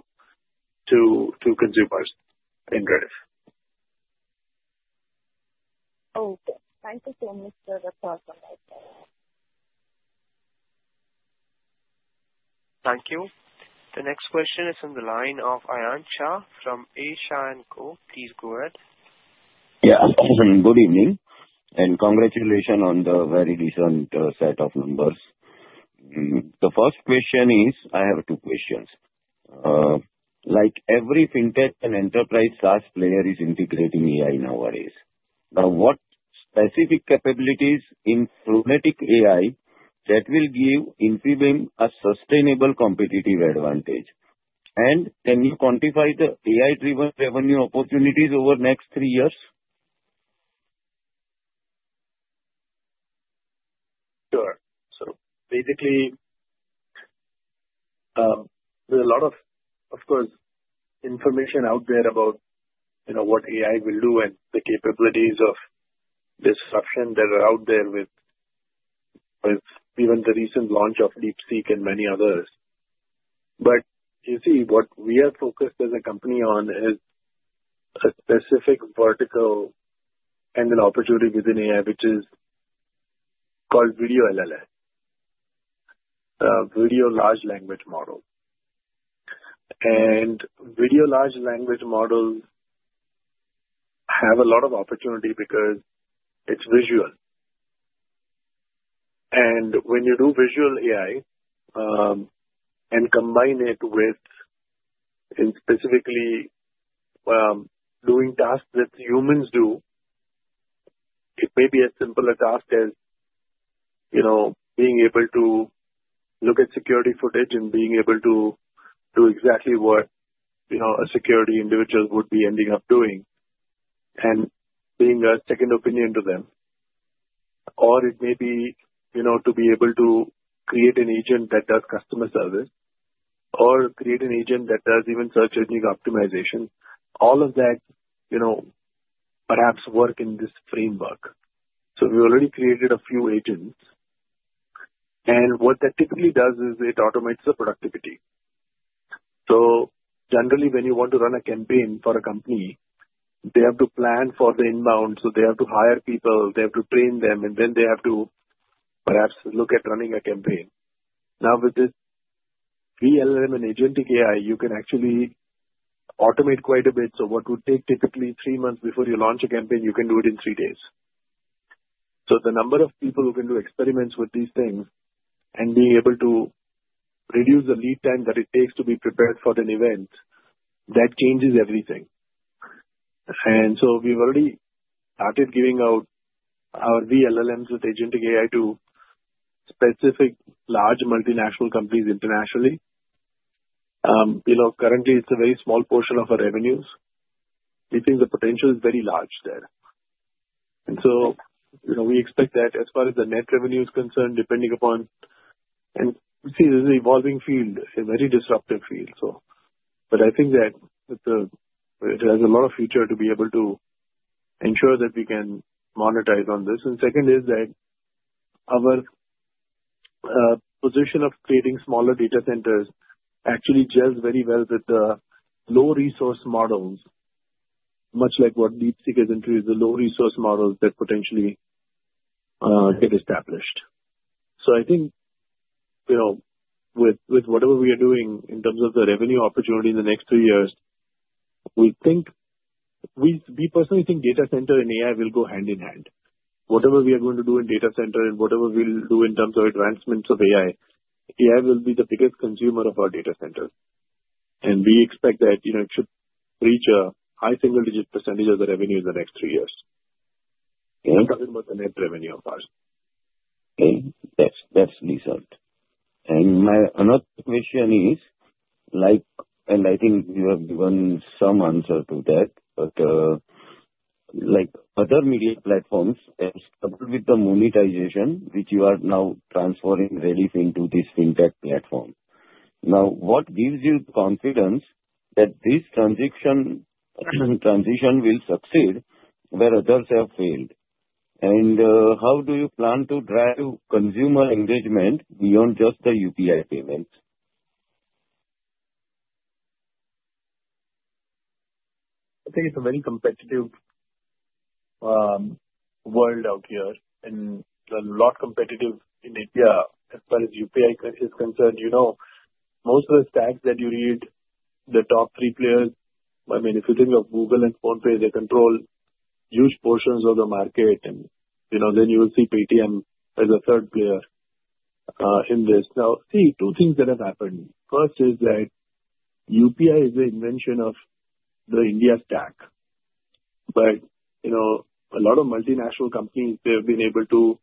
consumers in Rediff. Okay. Thank you so much for the thought on that. Thank you. The next question is from the line of Aayan Shah from Asian Market Securities. Please go ahead. Yeah. Good evening. And congratulations on the very decent set of numbers. The first question is I have two questions. Like every fintech and enterprise SaaS player is integrating AI nowadays. Now, what specific capabilities in Phronetic.AI that will give Infibeam a sustainable competitive advantage? And can you quantify the AI-driven revenue opportunities over the next three years? Sure. So basically, there's a lot of, of course, information out there about what AI will do and the capabilities of disruption that are out there with even the recent launch of DeepSeek and many others. But you see, what we are focused as a company on is a specific vertical and an opportunity within AI, which is called video LLM, video large language model. And video large language models have a lot of opportunity because it's visual. And when you do visual AI and combine it with specifically doing tasks that humans do, it may be as simple a task as being able to look at security footage and being able to do exactly what a security individual would be ending up doing and being a second opinion to them. Or it may be to be able to create an agent that does customer service or create an agent that does even search engine optimization. All of that perhaps work in this framework. So we already created a few agents. And what that typically does is it automates the productivity. So generally, when you want to run a campaign for a company, they have to plan for the inbound. So they have to hire people. They have to train them. And then they have to perhaps look at running a campaign. Now, with this VLM and agentic AI, you can actually automate quite a bit. So what would take typically three months before you launch a campaign, you can do it in three days. The number of people who can do experiments with these things and being able to reduce the lead time that it takes to be prepared for an event, that changes everything. We've already started giving out our VLMs with agentic AI to specific large multinational companies internationally. Currently, it's a very small portion of our revenues. We think the potential is very large there. We expect that as far as the net revenue is concerned, depending upon and see, this is an evolving field, a very disruptive field. I think that it has a lot of future to be able to ensure that we can monetize on this. Second is that our position of creating smaller data centers actually gels very well with the low-resource models, much like what DeepSeek is into, the low-resource models that potentially get established. I think with whatever we are doing in terms of the revenue opportunity in the next three years, we personally think data center and AI will go hand in hand. Whatever we are going to do in data center and whatever we'll do in terms of advancements of AI, AI will be the biggest consumer of our data centers. We expect that it should reach a high single-digit % of the revenue in the next three years. I'm talking about the net revenue of ours. Okay. That's Lisa. And my another question is, and I think you have given some answer to that, but other media platforms have struggled with the monetization, which you are now transferring Rediff into this fintech platform. Now, what gives you confidence that this transition will succeed where others have failed? And how do you plan to drive consumer engagement beyond just the UPI payments? I think it's a very competitive world out here, and there's a lot of competitive in India as far as UPI is concerned. Most of the stats that you read, the top three players I mean, if you think of Google and PhonePe, they control huge portions of the market, and then you will see Paytm as a third player in this. Now, see, two things that have happened. First is that UPI is the invention of the India stack, but a lot of multinational companies, they have been able to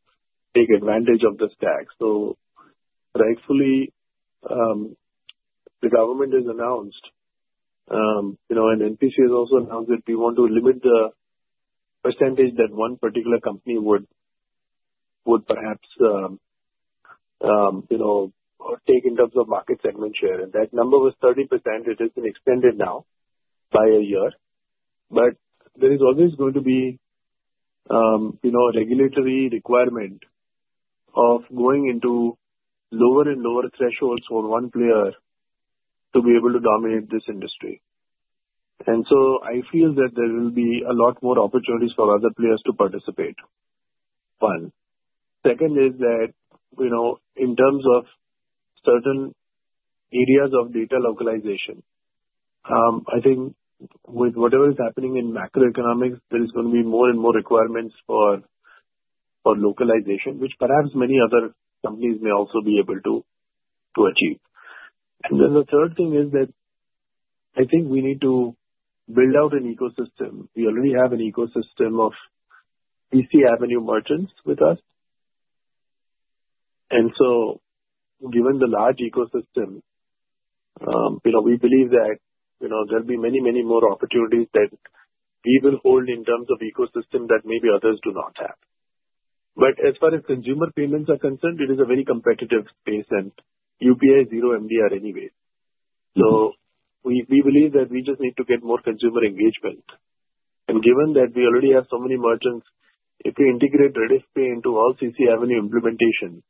take advantage of the stack. So rightfully, the government has announced, and NPCI has also announced that we want to limit the percentage that one particular company would perhaps take in terms of market segment share, and that number was 30%. It has been extended now by a year. But there is always going to be a regulatory requirement of going into lower and lower thresholds for one player to be able to dominate this industry. And so I feel that there will be a lot more opportunities for other players to participate. One. Second is that in terms of certain areas of data localization, I think with whatever is happening in macroeconomics, there is going to be more and more requirements for localization, which perhaps many other companies may also be able to achieve. And then the third thing is that I think we need to build out an ecosystem. We already have an ecosystem of CCAvenue merchants with us. And so given the large ecosystem, we believe that there will be many, many more opportunities that we will hold in terms of ecosystem that maybe others do not have. But as far as consumer payments are concerned, it is a very competitive space. And UPI is zero MDR anyway. So we believe that we just need to get more consumer engagement. And given that we already have so many merchants, if we integrate Rediff Pay into all CCAvenue implementation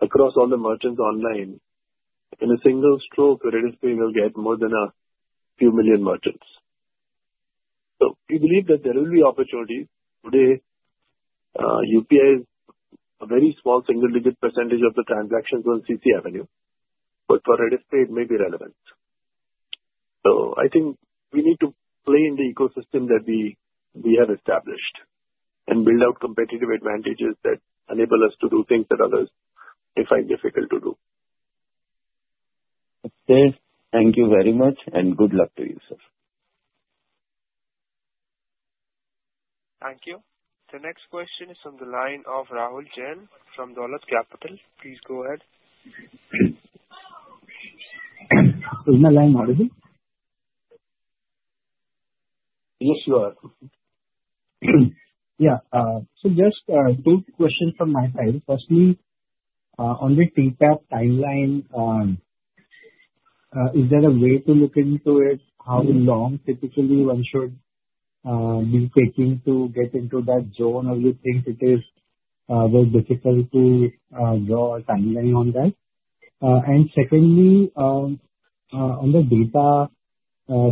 across all the merchants online, in a single stroke, Rediff Pay will get more than a few million merchants. So we believe that there will be opportunities. Today, UPI is a very small single-digit % of the transactions on CCAvenue. But for Rediff Pay, it may be relevant. So I think we need to play in the ecosystem that we have established and build out competitive advantages that enable us to do things that others may find difficult to do. Okay. Thank you very much, and good luck to you, sir. Thank you. The next question is from the line of Rahul Jain from Dollop Capital. Please go ahead. Is my line audible? Yes, you are. Yeah. So just two questions from my side. Firstly, on the fintech timeline, is there a way to look into it? How long typically one should be taking to get into that zone? Or do you think it is very difficult to draw a timeline on that? And secondly, on the data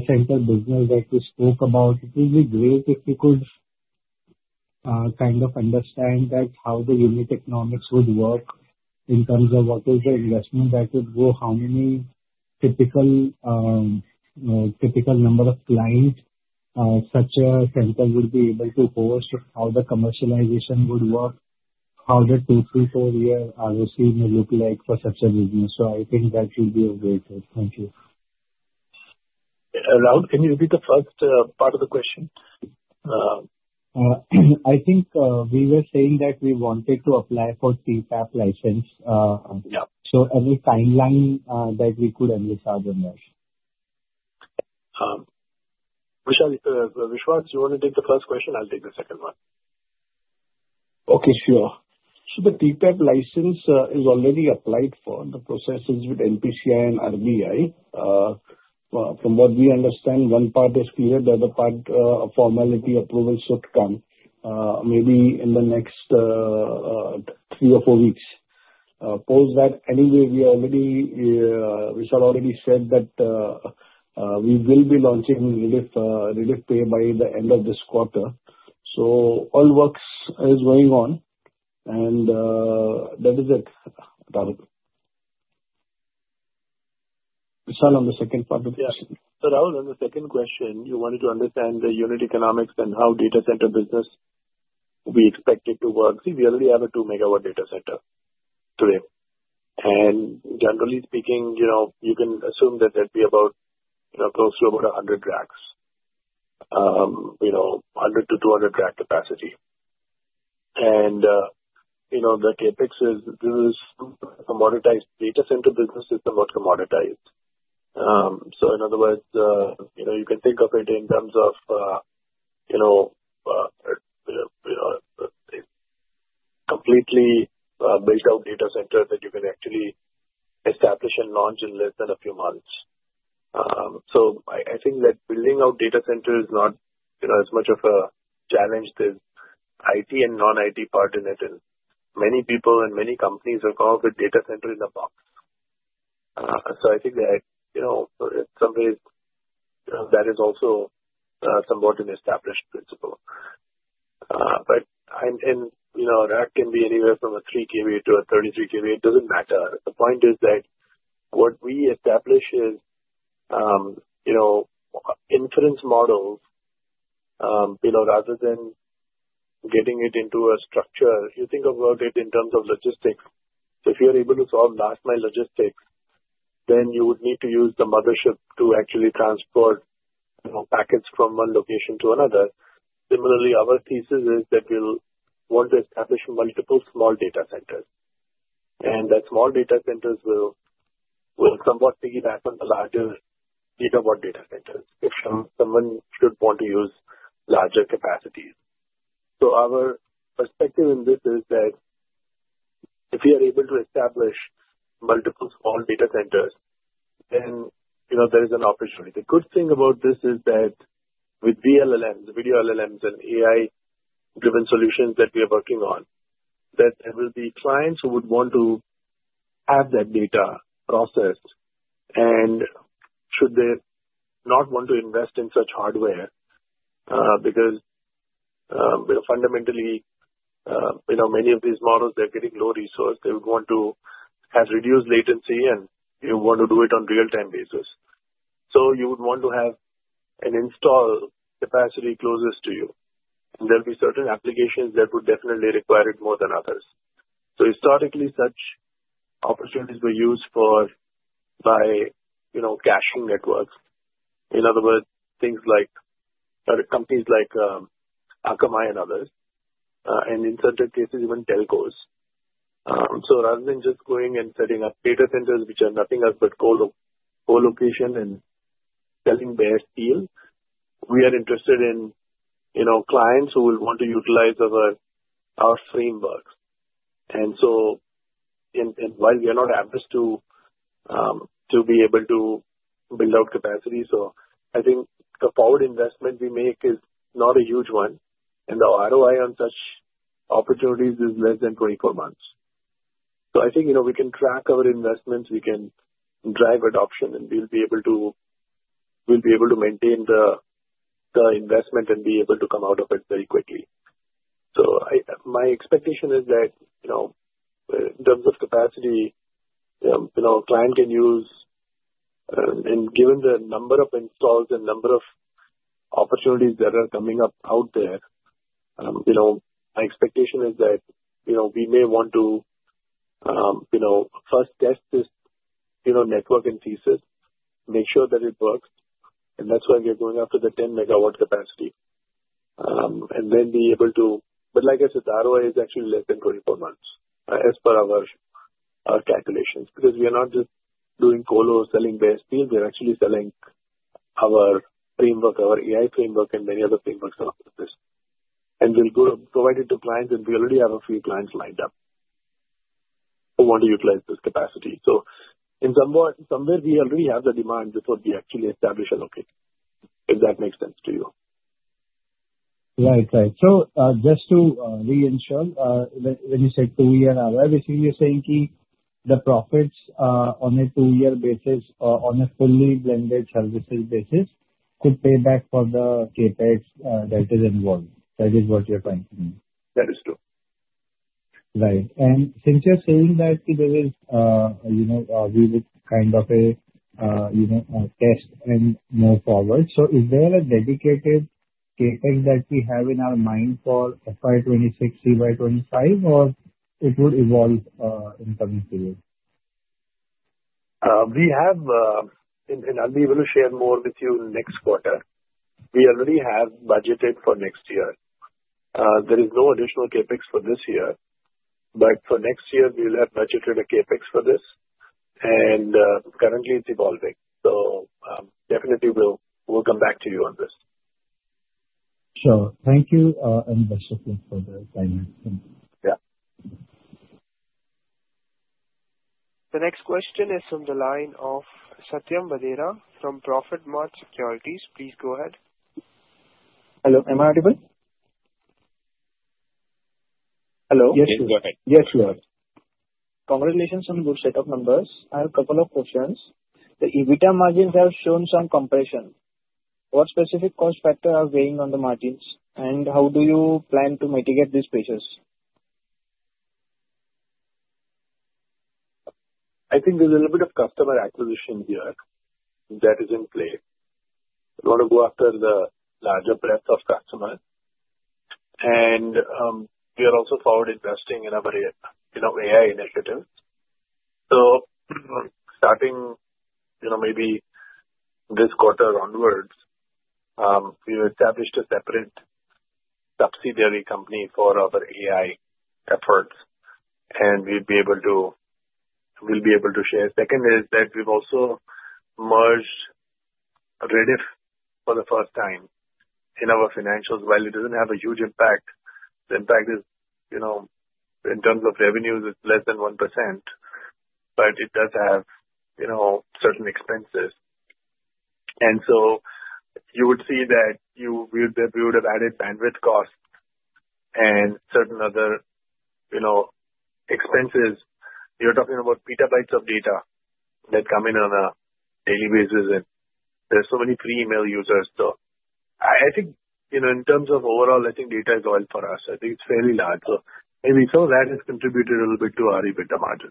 center business that you spoke about, it would be great if you could kind of understand how the unit economics would work in terms of what is the investment that would go, how many typical number of clients such a center would be able to host, how the commercialization would work, how the two, three, four-year ROC may look like for such a business. So I think that would be great. Thank you. Rahul, can you repeat the first part of the question? I think we were saying that we wanted to apply for TPAP license, so any timeline that we could understand on that. Vishal, you want to take the first question? I'll take the second one. Okay. Sure. So the TPAP license is already applied for. The process is with NPCI and RBI. From what we understand, one part is clear. The other part, formality approval should come maybe in the next three or four weeks. Post that, anyway, Vishal already said that we will be launching Rediff Pay by the end of this quarter. So all works are going on. And that is it. Vishal, on the second part of the question. So, Rahul, on the second question, you wanted to understand the unit economics and how data center business we expect it to work. See, we already have a two-megawatt data center today. And generally speaking, you can assume that that'd be about close to about 100 racks, 100 to 200 rack capacity. And the CapEx is a commoditized data center business is somewhat commoditized. So in other words, you can think of it in terms of a completely built-out data center that you can actually establish and launch in less than a few months. So I think that building out data centers is not as much of a challenge. There's IT and non-IT part in it. And many people and many companies are caught with data centers in a box. So I think that in some ways, that is also somewhat an established principle. But that can be anywhere from a 33kV to a 33kW. It doesn't matter. The point is that what we establish is inference models rather than getting it into a structure. You think about it in terms of logistics. If you're able to solve last-mile logistics, then you would need to use the mothership to actually transport packets from one location to another. Similarly, our thesis is that we'll want to establish multiple small data centers. And that small data centers will somewhat piggyback on the larger gigawatt data centers if someone should want to use larger capacities. So our perspective in this is that if we are able to establish multiple small data centers, then there is an opportunity. The good thing about this is that with VLMs, video LLMs, and AI-driven solutions that we are working on, that there will be clients who would want to have that data processed, and should they not want to invest in such hardware? Because fundamentally, many of these models, they're getting low-resource. They would want to have reduced latency, and you want to do it on a real-time basis, so you would want to have an installed capacity closest to you, and there'll be certain applications that would definitely require it more than others. Historically, such opportunities were used by caching networks. In other words, things like companies like Akamai and others, and in certain cases, even Telcos. So rather than just going and setting up data centers, which are nothing else but colocation and selling bare steel, we are interested in clients who will want to utilize our frameworks. And while we are not averse to be able to build out capacity, so I think the forward investment we make is not a huge one. And the ROI on such opportunities is less than 24 months. So I think we can track our investments. We can drive adoption. And we'll be able to maintain the investment and be able to come out of it very quickly. So my expectation is that in terms of capacity, a client can use. And given the number of installs and number of opportunities that are coming up out there, my expectation is that we may want to first test this network and thesis, make sure that it works. And that's why we're going after the 10-megawatt capacity. And then be able to. But like I said, the ROI is actually less than 24 months as per our calculations. Because we are not just doing colo or selling bare steel. We're actually selling our framework, our AI framework, and many other frameworks along with this. And we'll go provide it to clients. And we already have a few clients lined up who want to utilize this capacity. So in some way, we already have the demand before we actually establish a location, if that makes sense to you. Right. Right. So just to re-ensure, when you said two-year ROI, basically, you're saying the profits on a two-year basis or on a fully blended services basis could pay back for the CapEx that is involved. That is what you're pointing to. That is true. Right, and since you're saying that there is a kind of a test and move forward, so is there a dedicated CapEx that we have in our mind for FY26, CY25, or it would evolve in coming period? I'll be able to share more with you next quarter. We already have budgeted for next year. There is no additional CapEx for this year. But for next year, we will have budgeted a CapEx for this. And currently, it's evolving. Definitely, we'll come back to you on this. Sure. Thank you, and best of luck for the timeline. Yeah. The next question is from the line of Satyam Vadera from Profitmart Securities. Please go ahead. Hello. Am I audible? Yes, you're good. Yes, sure. Congratulations on a good set of numbers. I have a couple of questions. The EBITDA margins have shown some compression. What specific cost factors are weighing on the margins? And how do you plan to mitigate these pressures? I think there's a little bit of customer acquisition here that is in play. We want to go after the larger breadth of customers, and we are also forward investing in our AI initiatives, so starting maybe this quarter onwards, we've established a separate subsidiary company for our AI efforts, and we'll be able to share. Second is that we've also merged Rediff for the first time in our financials. While it doesn't have a huge impact, the impact is in terms of revenues, it's less than 1%. But it does have certain expenses, and so you would see that we would have added bandwidth costs and certain other expenses. You're talking about petabytes of data that come in on a daily basis, and there are so many free email users. So I think in terms of overall, I think data is oil for us. I think it's fairly large. Maybe some of that has contributed a little bit to our EBITDA margin.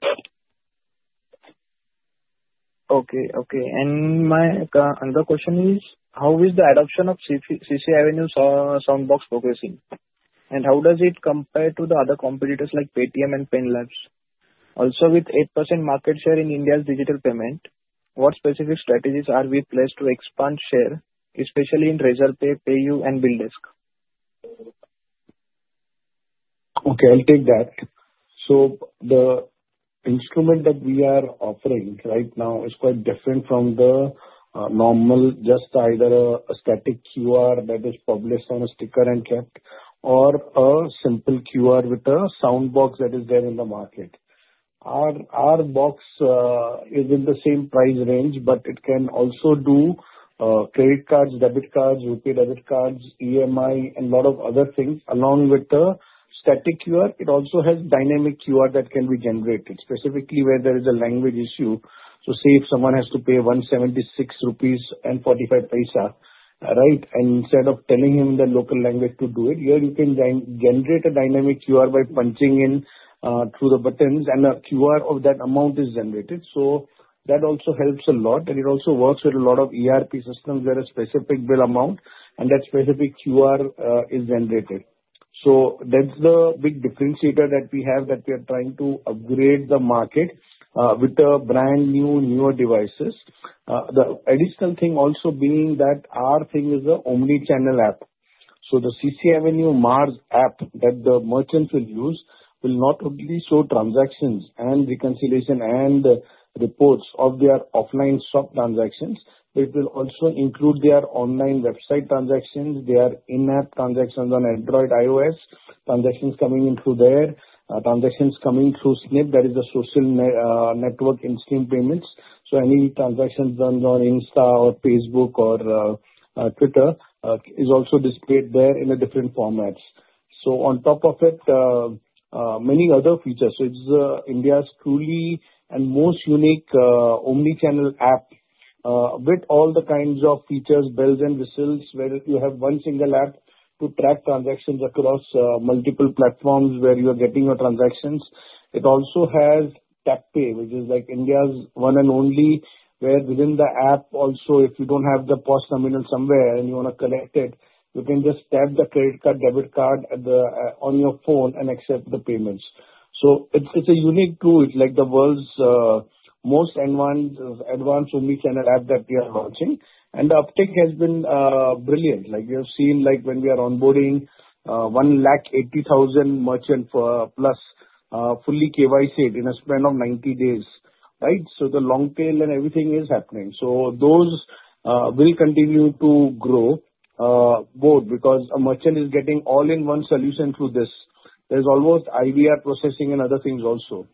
Okay. Okay. And my other question is, how is the adoption of CCAvenue Soundbox progressing? And how does it compare to the other competitors like Paytm and Pine Labs? Also, with 8% market share in India's digital payment, what specific strategies are we placed to expand share, especially in Razorpay, PayU, and BillDesk? Okay. I'll take that. So the instrument that we are offering right now is quite different from the normal, just either a static QR that is published on a sticker and kept, or a simple QR with a soundbox that is there in the market. Our box is in the same price range, but it can also do credit cards, debit cards, UPI debit cards, EMI, and a lot of other things along with the static QR. It also has dynamic QR that can be generated, specifically where there is a language issue. So say if someone has to pay 176.45 rupees, right, and instead of telling him in the local language to do it, here you can generate a dynamic QR by punching in through the buttons, and a QR of that amount is generated. So that also helps a lot. It also works with a lot of ERP systems where a specific bill amount and that specific QR is generated. So that's the big differentiator that we have that we are trying to upgrade the market with the brand new, newer devices. The additional thing also being that our thing is the omnichannel app. So the CCAvenue MAARS app that the merchants will use will not only show transactions and reconciliation and reports of their offline shop transactions, but it will also include their online website transactions, their in-app transactions on Android, iOS, transactions coming in through there, transactions coming through Snap. That is the social network in Snap payments. So any transactions done on Insta or Facebook or Twitter is also displayed there in different formats. So on top of it, many other features. So it's India's truly and most unique omnichannel app with all the kinds of features, bells and whistles, where you have one single app to track transactions across multiple platforms where you are getting your transactions. It also has TapPay, which is like India's one and only, where within the app, also, if you don't have the POS terminal somewhere and you want to collect it, you can just tap the credit card, debit card on your phone and accept the payments. So it's a unique tool. It's like the world's most advanced omnichannel app that we are launching. And the uptake has been brilliant. You have seen when we are onboarding 180,000 merchants plus fully KYC in a span of 90 days, right? So the long tail and everything is happening. So those will continue to grow both because a merchant is getting all-in-one solution through this. There's also IVR processing and other things also.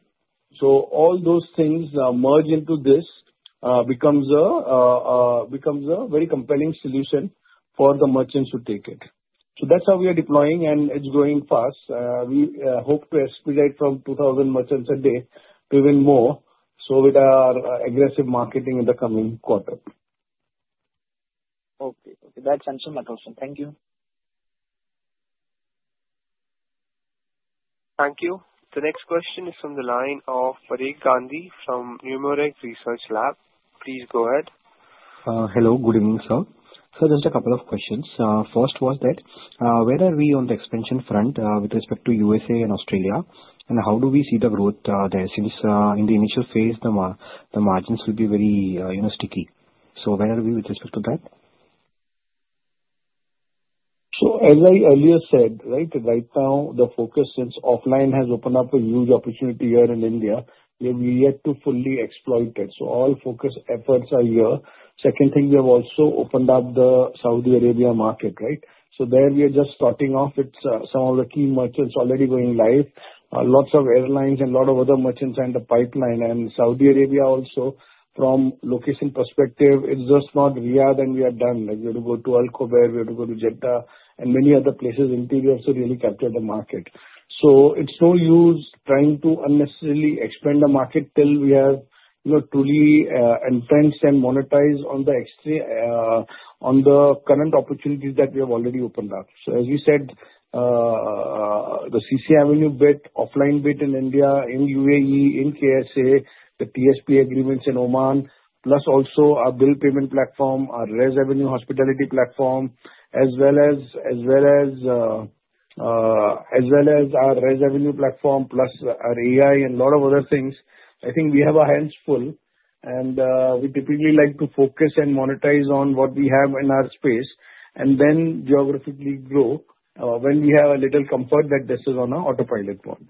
So all those things merge into this, becomes a very compelling solution for the merchants to take it. So that's how we are deploying, and it's going fast. We hope to expedite from 2,000 merchants a day to even more, so with our aggressive marketing in the coming quarter. Okay. Okay. That's answered my question. Thank you. Thank you. The next question is from the line of Parikh Gandhi from Numeric Research Lab. Please go ahead. Hello. Good evening, sir. So just a couple of questions. First was that, where are we on the expansion front with respect to USA and Australia? And how do we see the growth there since in the initial phase, the margins will be very sticky? So where are we with respect to that? So as I earlier said, right now, the focus since offline has opened up a huge opportunity here in India, where we yet to fully exploit it. So all focus efforts are here. Second thing, we have also opened up the Saudi Arabia market, right? So there we are just starting off. It's some of the key merchants already going live. Lots of airlines and a lot of other merchants are in the pipeline. And Saudi Arabia also, from location perspective, it's just not Riyadh and we are done. We have to go to Al Khobar, we have to go to Jeddah, and many other places in Saudi Arabia to really capture the market. So it's no use trying to unnecessarily expand the market till we have truly intensified and monetized on the current opportunities that we have already opened up. So as we said, the CCAvenue bit, offline bit in India, in UAE, in KSA, the TSP agreements in Oman, plus also our bill payment platform, our ResAvenue hospitality platform, as well as our ResAvenue platform, plus our AI and a lot of other things. I think we have our hands full. And we typically like to focus and monetize on what we have in our space and then geographically grow when we have a little comfort that this is on an autopilot mode.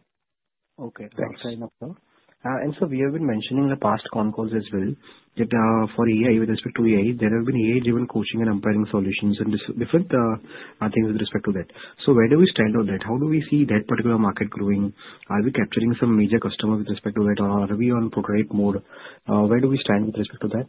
Okay. Thanks. Thanks. We have been mentioning in the past conference as well that for AI, with respect to AI, there have been AI-driven coaching and empowering solutions and different things with respect to that. Where do we stand on that? How do we see that particular market growing? Are we capturing some major customers with respect to that, or are we on portrait mode? Where do we stand with respect to that?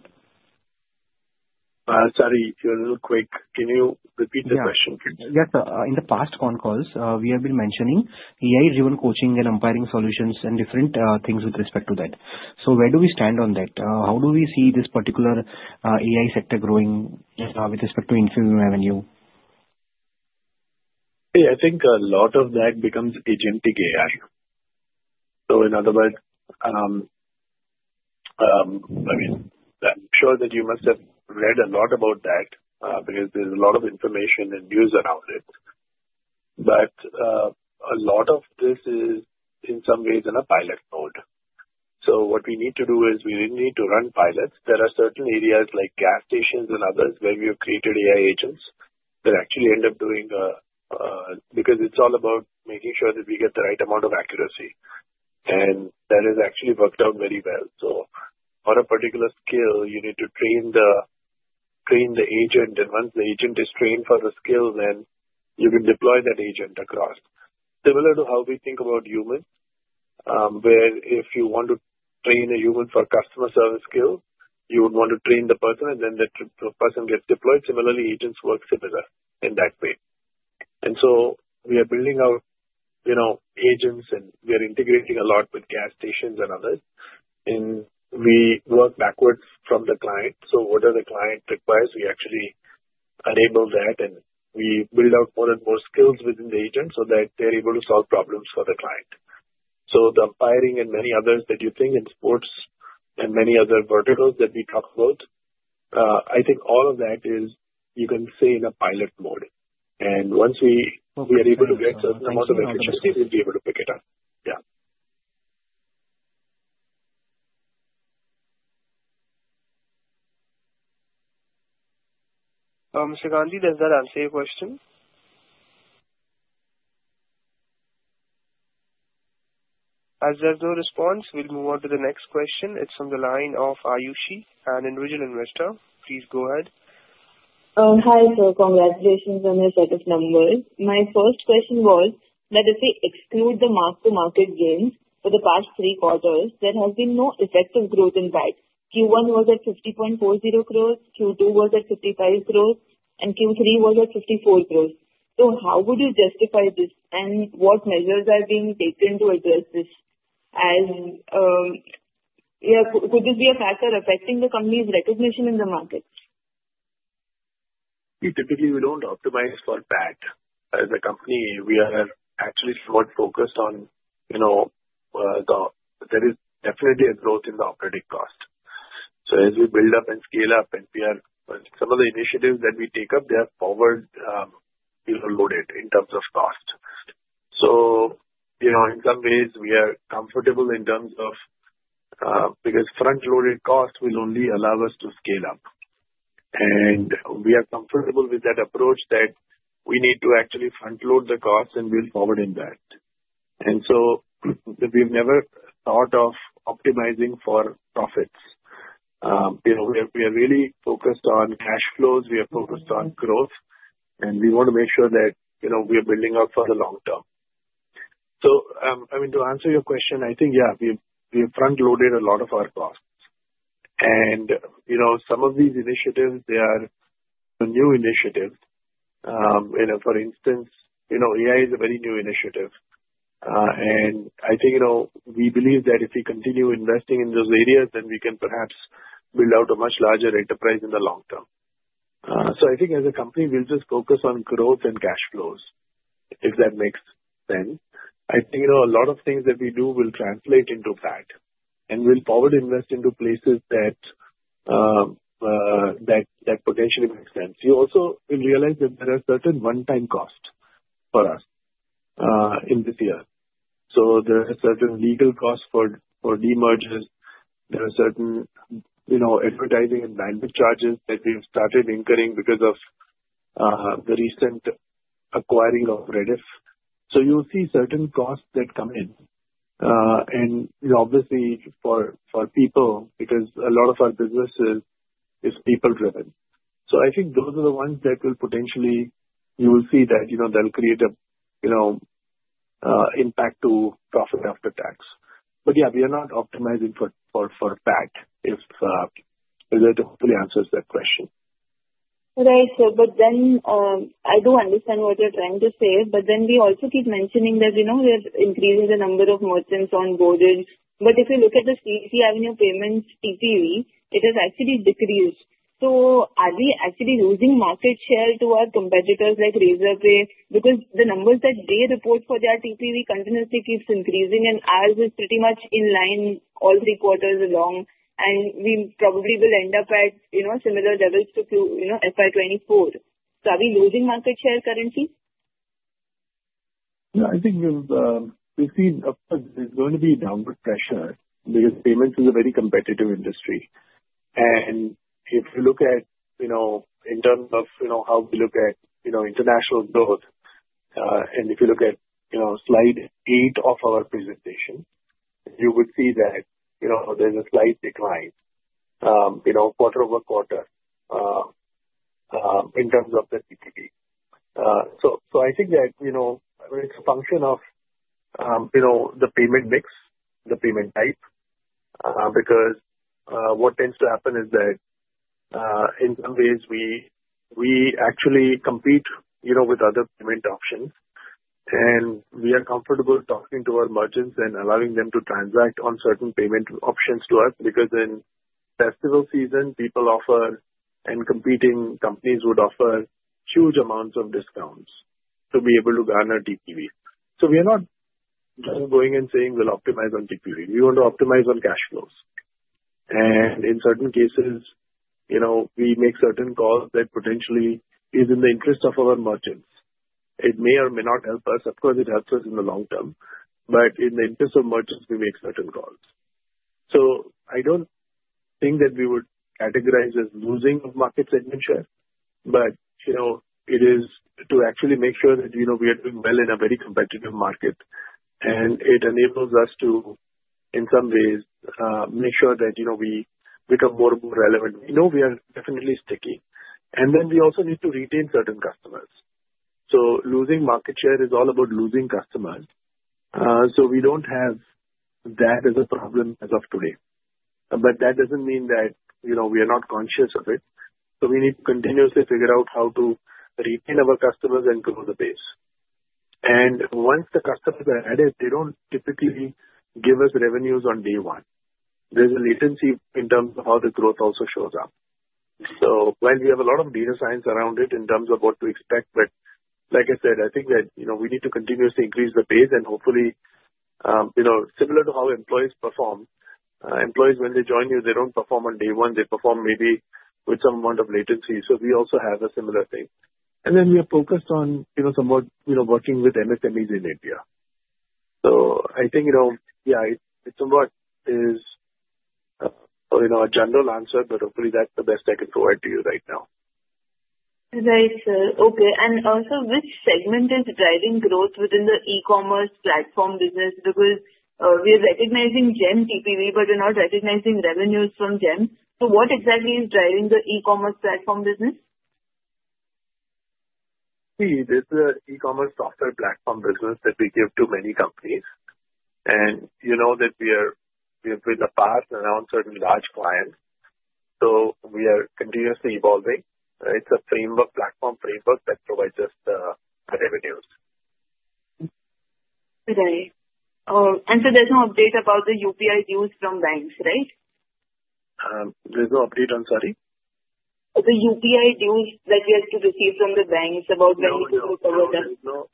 Sorry, if you're a little quick, can you repeat the question? Yes, sir. In the past conferences, we have been mentioning AI-driven coaching and empowering solutions and different things with respect to that. So where do we stand on that? How do we see this particular AI sector growing with respect to Infibeam Avenues? I think a lot of that becomes Agentic AI. So in other words, I mean, I'm sure that you must have read a lot about that because there's a lot of information and news around it. But a lot of this is, in some ways, in a pilot mode. So what we need to do is we need to run pilots. There are certain areas like gas stations and others where we have created AI agents that actually end up doing because it's all about making sure that we get the right amount of accuracy. And that has actually worked out very well. So on a particular skill, you need to train the agent. And once the agent is trained for the skill, then you can deploy that agent across. Similar to how we think about humans, where if you want to train a human for customer service skills, you would want to train the person, and then the person gets deployed. Similarly, agents work similar in that way, and so we are building our agents, and we are integrating a lot with gas stations and others, and we work backwards from the client, so whatever the client requires, we actually enable that, and we build out more and more skills within the agent so that they're able to solve problems for the client, so the empowering and many others that you think in sports and many other verticals that we talk about, I think all of that is, you can say, in a pilot mode, and once we are able to get some of the information, we'll be able to pick it up. Yeah. Mr. Gandhi, does that answer your question? As there's no response, we'll move on to the next question. It's from the line of Ayushi, an individual investor. Please go ahead. Hi. So congratulations on your set of numbers. My first question was that if we exclude the mark-to-market gains for the past three quarters, there has been no effective growth in PAT. Q1 was at 50.40 crores, Q2 was at 55 crores, and Q3 was at 54 crores. So how would you justify this, and what measures are being taken to address this? And could this be a factor affecting the company's recognition in the market? Typically, we don't optimize for PAT. As a company, we are actually somewhat focused on there is definitely a growth in the operating cost. So as we build up and scale up, and some of the initiatives that we take up, they are forward-loaded in terms of cost. So in some ways, we are comfortable in terms of because front-loaded cost will only allow us to scale up. And we are comfortable with that approach that we need to actually front-load the cost and build forward in that. And so we've never thought of optimizing for profits. We are really focused on cash flows. We are focused on growth. And we want to make sure that we are building up for the long term. So I mean, to answer your question, I think, yeah, we have front-loaded a lot of our costs. Some of these initiatives, they are new initiatives. For instance, AI is a very new initiative. I think we believe that if we continue investing in those areas, then we can perhaps build out a much larger enterprise in the long term. I think as a company, we'll just focus on growth and cash flows, if that makes sense. I think a lot of things that we do will translate into PAT and will forward invest into places that potentially make sense. You also will realize that there are certain one-time costs for us in this year. There are certain legal costs for the mergers. There are certain advertising and bandwidth charges that we have started incurring because of the recent acquiring of Rediff. You'll see certain costs that come in. Obviously, for people, because a lot of our businesses is people-driven. So I think those are the ones that will potentially you will see that they'll create an impact to Profit After Tax. But yeah, we are not optimizing for PAT if that hopefully answers that question. Right. But then I do understand what you're trying to say. But then we also keep mentioning that we are increasing the number of merchants onboarded. But if you look at the CCAvenue payments TPV, it has actually decreased. So are we actually losing market share to our competitors like Razorpay? Because the numbers that they report for their TPV continuously keeps increasing, and ours is pretty much in line all three quarters along. And we probably will end up at similar levels to FY24. So are we losing market share currently? Yeah. I think we've seen there's going to be downward pressure because payments is a very competitive industry. And if you look at in terms of how we look at international growth, and if you look at slide eight of our presentation, you would see that there's a slight decline quarter over quarter in terms of the TPV. So I think that it's a function of the payment mix, the payment type, because what tends to happen is that in some ways, we actually compete with other payment options. And we are comfortable talking to our merchants and allowing them to transact on certain payment options to us because in festival season, people offer and competing companies would offer huge amounts of discounts to be able to garner TPV. So we are not going and saying we'll optimize on TPV. We want to optimize on cash flows. And in certain cases, we make certain calls that potentially is in the interest of our merchants. It may or may not help us. Of course, it helps us in the long term. But in the interest of merchants, we make certain calls. So I don't think that we would categorize as losing market segment share, but it is to actually make sure that we are doing well in a very competitive market. And it enables us to, in some ways, make sure that we become more and more relevant. We know we are definitely sticky. And then we also need to retain certain customers. So losing market share is all about losing customers. So we don't have that as a problem as of today. But that doesn't mean that we are not conscious of it. So we need to continuously figure out how to retain our customers and grow the base. And once the customers are added, they don't typically give us revenues on day one. There's a latency in terms of how the growth also shows up. So while we have a lot of data science around it in terms of what to expect, but like I said, I think that we need to continuously increase the base and hopefully similar to how employees perform. Employees, when they join you, they don't perform on day one. They perform maybe with some amount of latency. So we also have a similar thing. And then we are focused on somewhat working with MSMEs in India. So I think, yeah, it somewhat is a general answer, but hopefully that's the best I can provide to you right now. Right. Okay. And also, which segment is driving growth within the e-commerce platform business? Because we are recognizing GMV TPV, but we're not recognizing revenues from GMV. So what exactly is driving the e-commerce platform business? See, this is an e-commerce software platform business that we give to many companies. And you know that we have built a path around certain large clients. So we are continuously evolving. It's a platform framework that provides us the revenues. Right, and so there's no update about the UPI dues from banks, right? There's no update on, sorry? The UPI dues that you have to receive from the banks about when you go to recover them.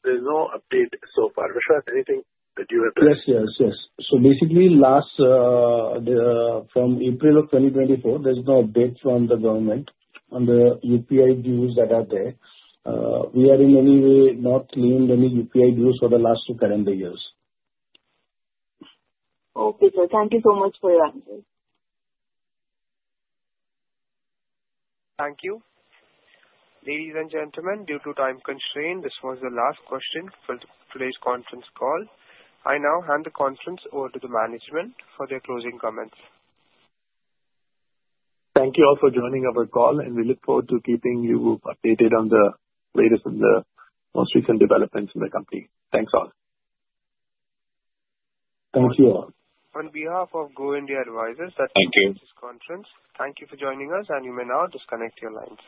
There's no update so far. Rishabh, anything that you have to add? Yes, yes, yes. So basically, from April of 2024, there's no update from the government on the UPI dues that are there. We are in any way not claimed any UPI dues for the last two calendar years. Okay, so thank you so much for your answers. Thank you. Ladies and gentlemen, due to time constraint, this was the last question for today's conference call. I now hand the conference over to the management for their closing comments. Thank you all for joining our call, and we look forward to keeping you updated on the latest and the most recent developments in the company. Thanks all. Thank you all. On behalf of Go India Advisors, that's the end of this conference. Thank you for joining us, and you may now disconnect your lines.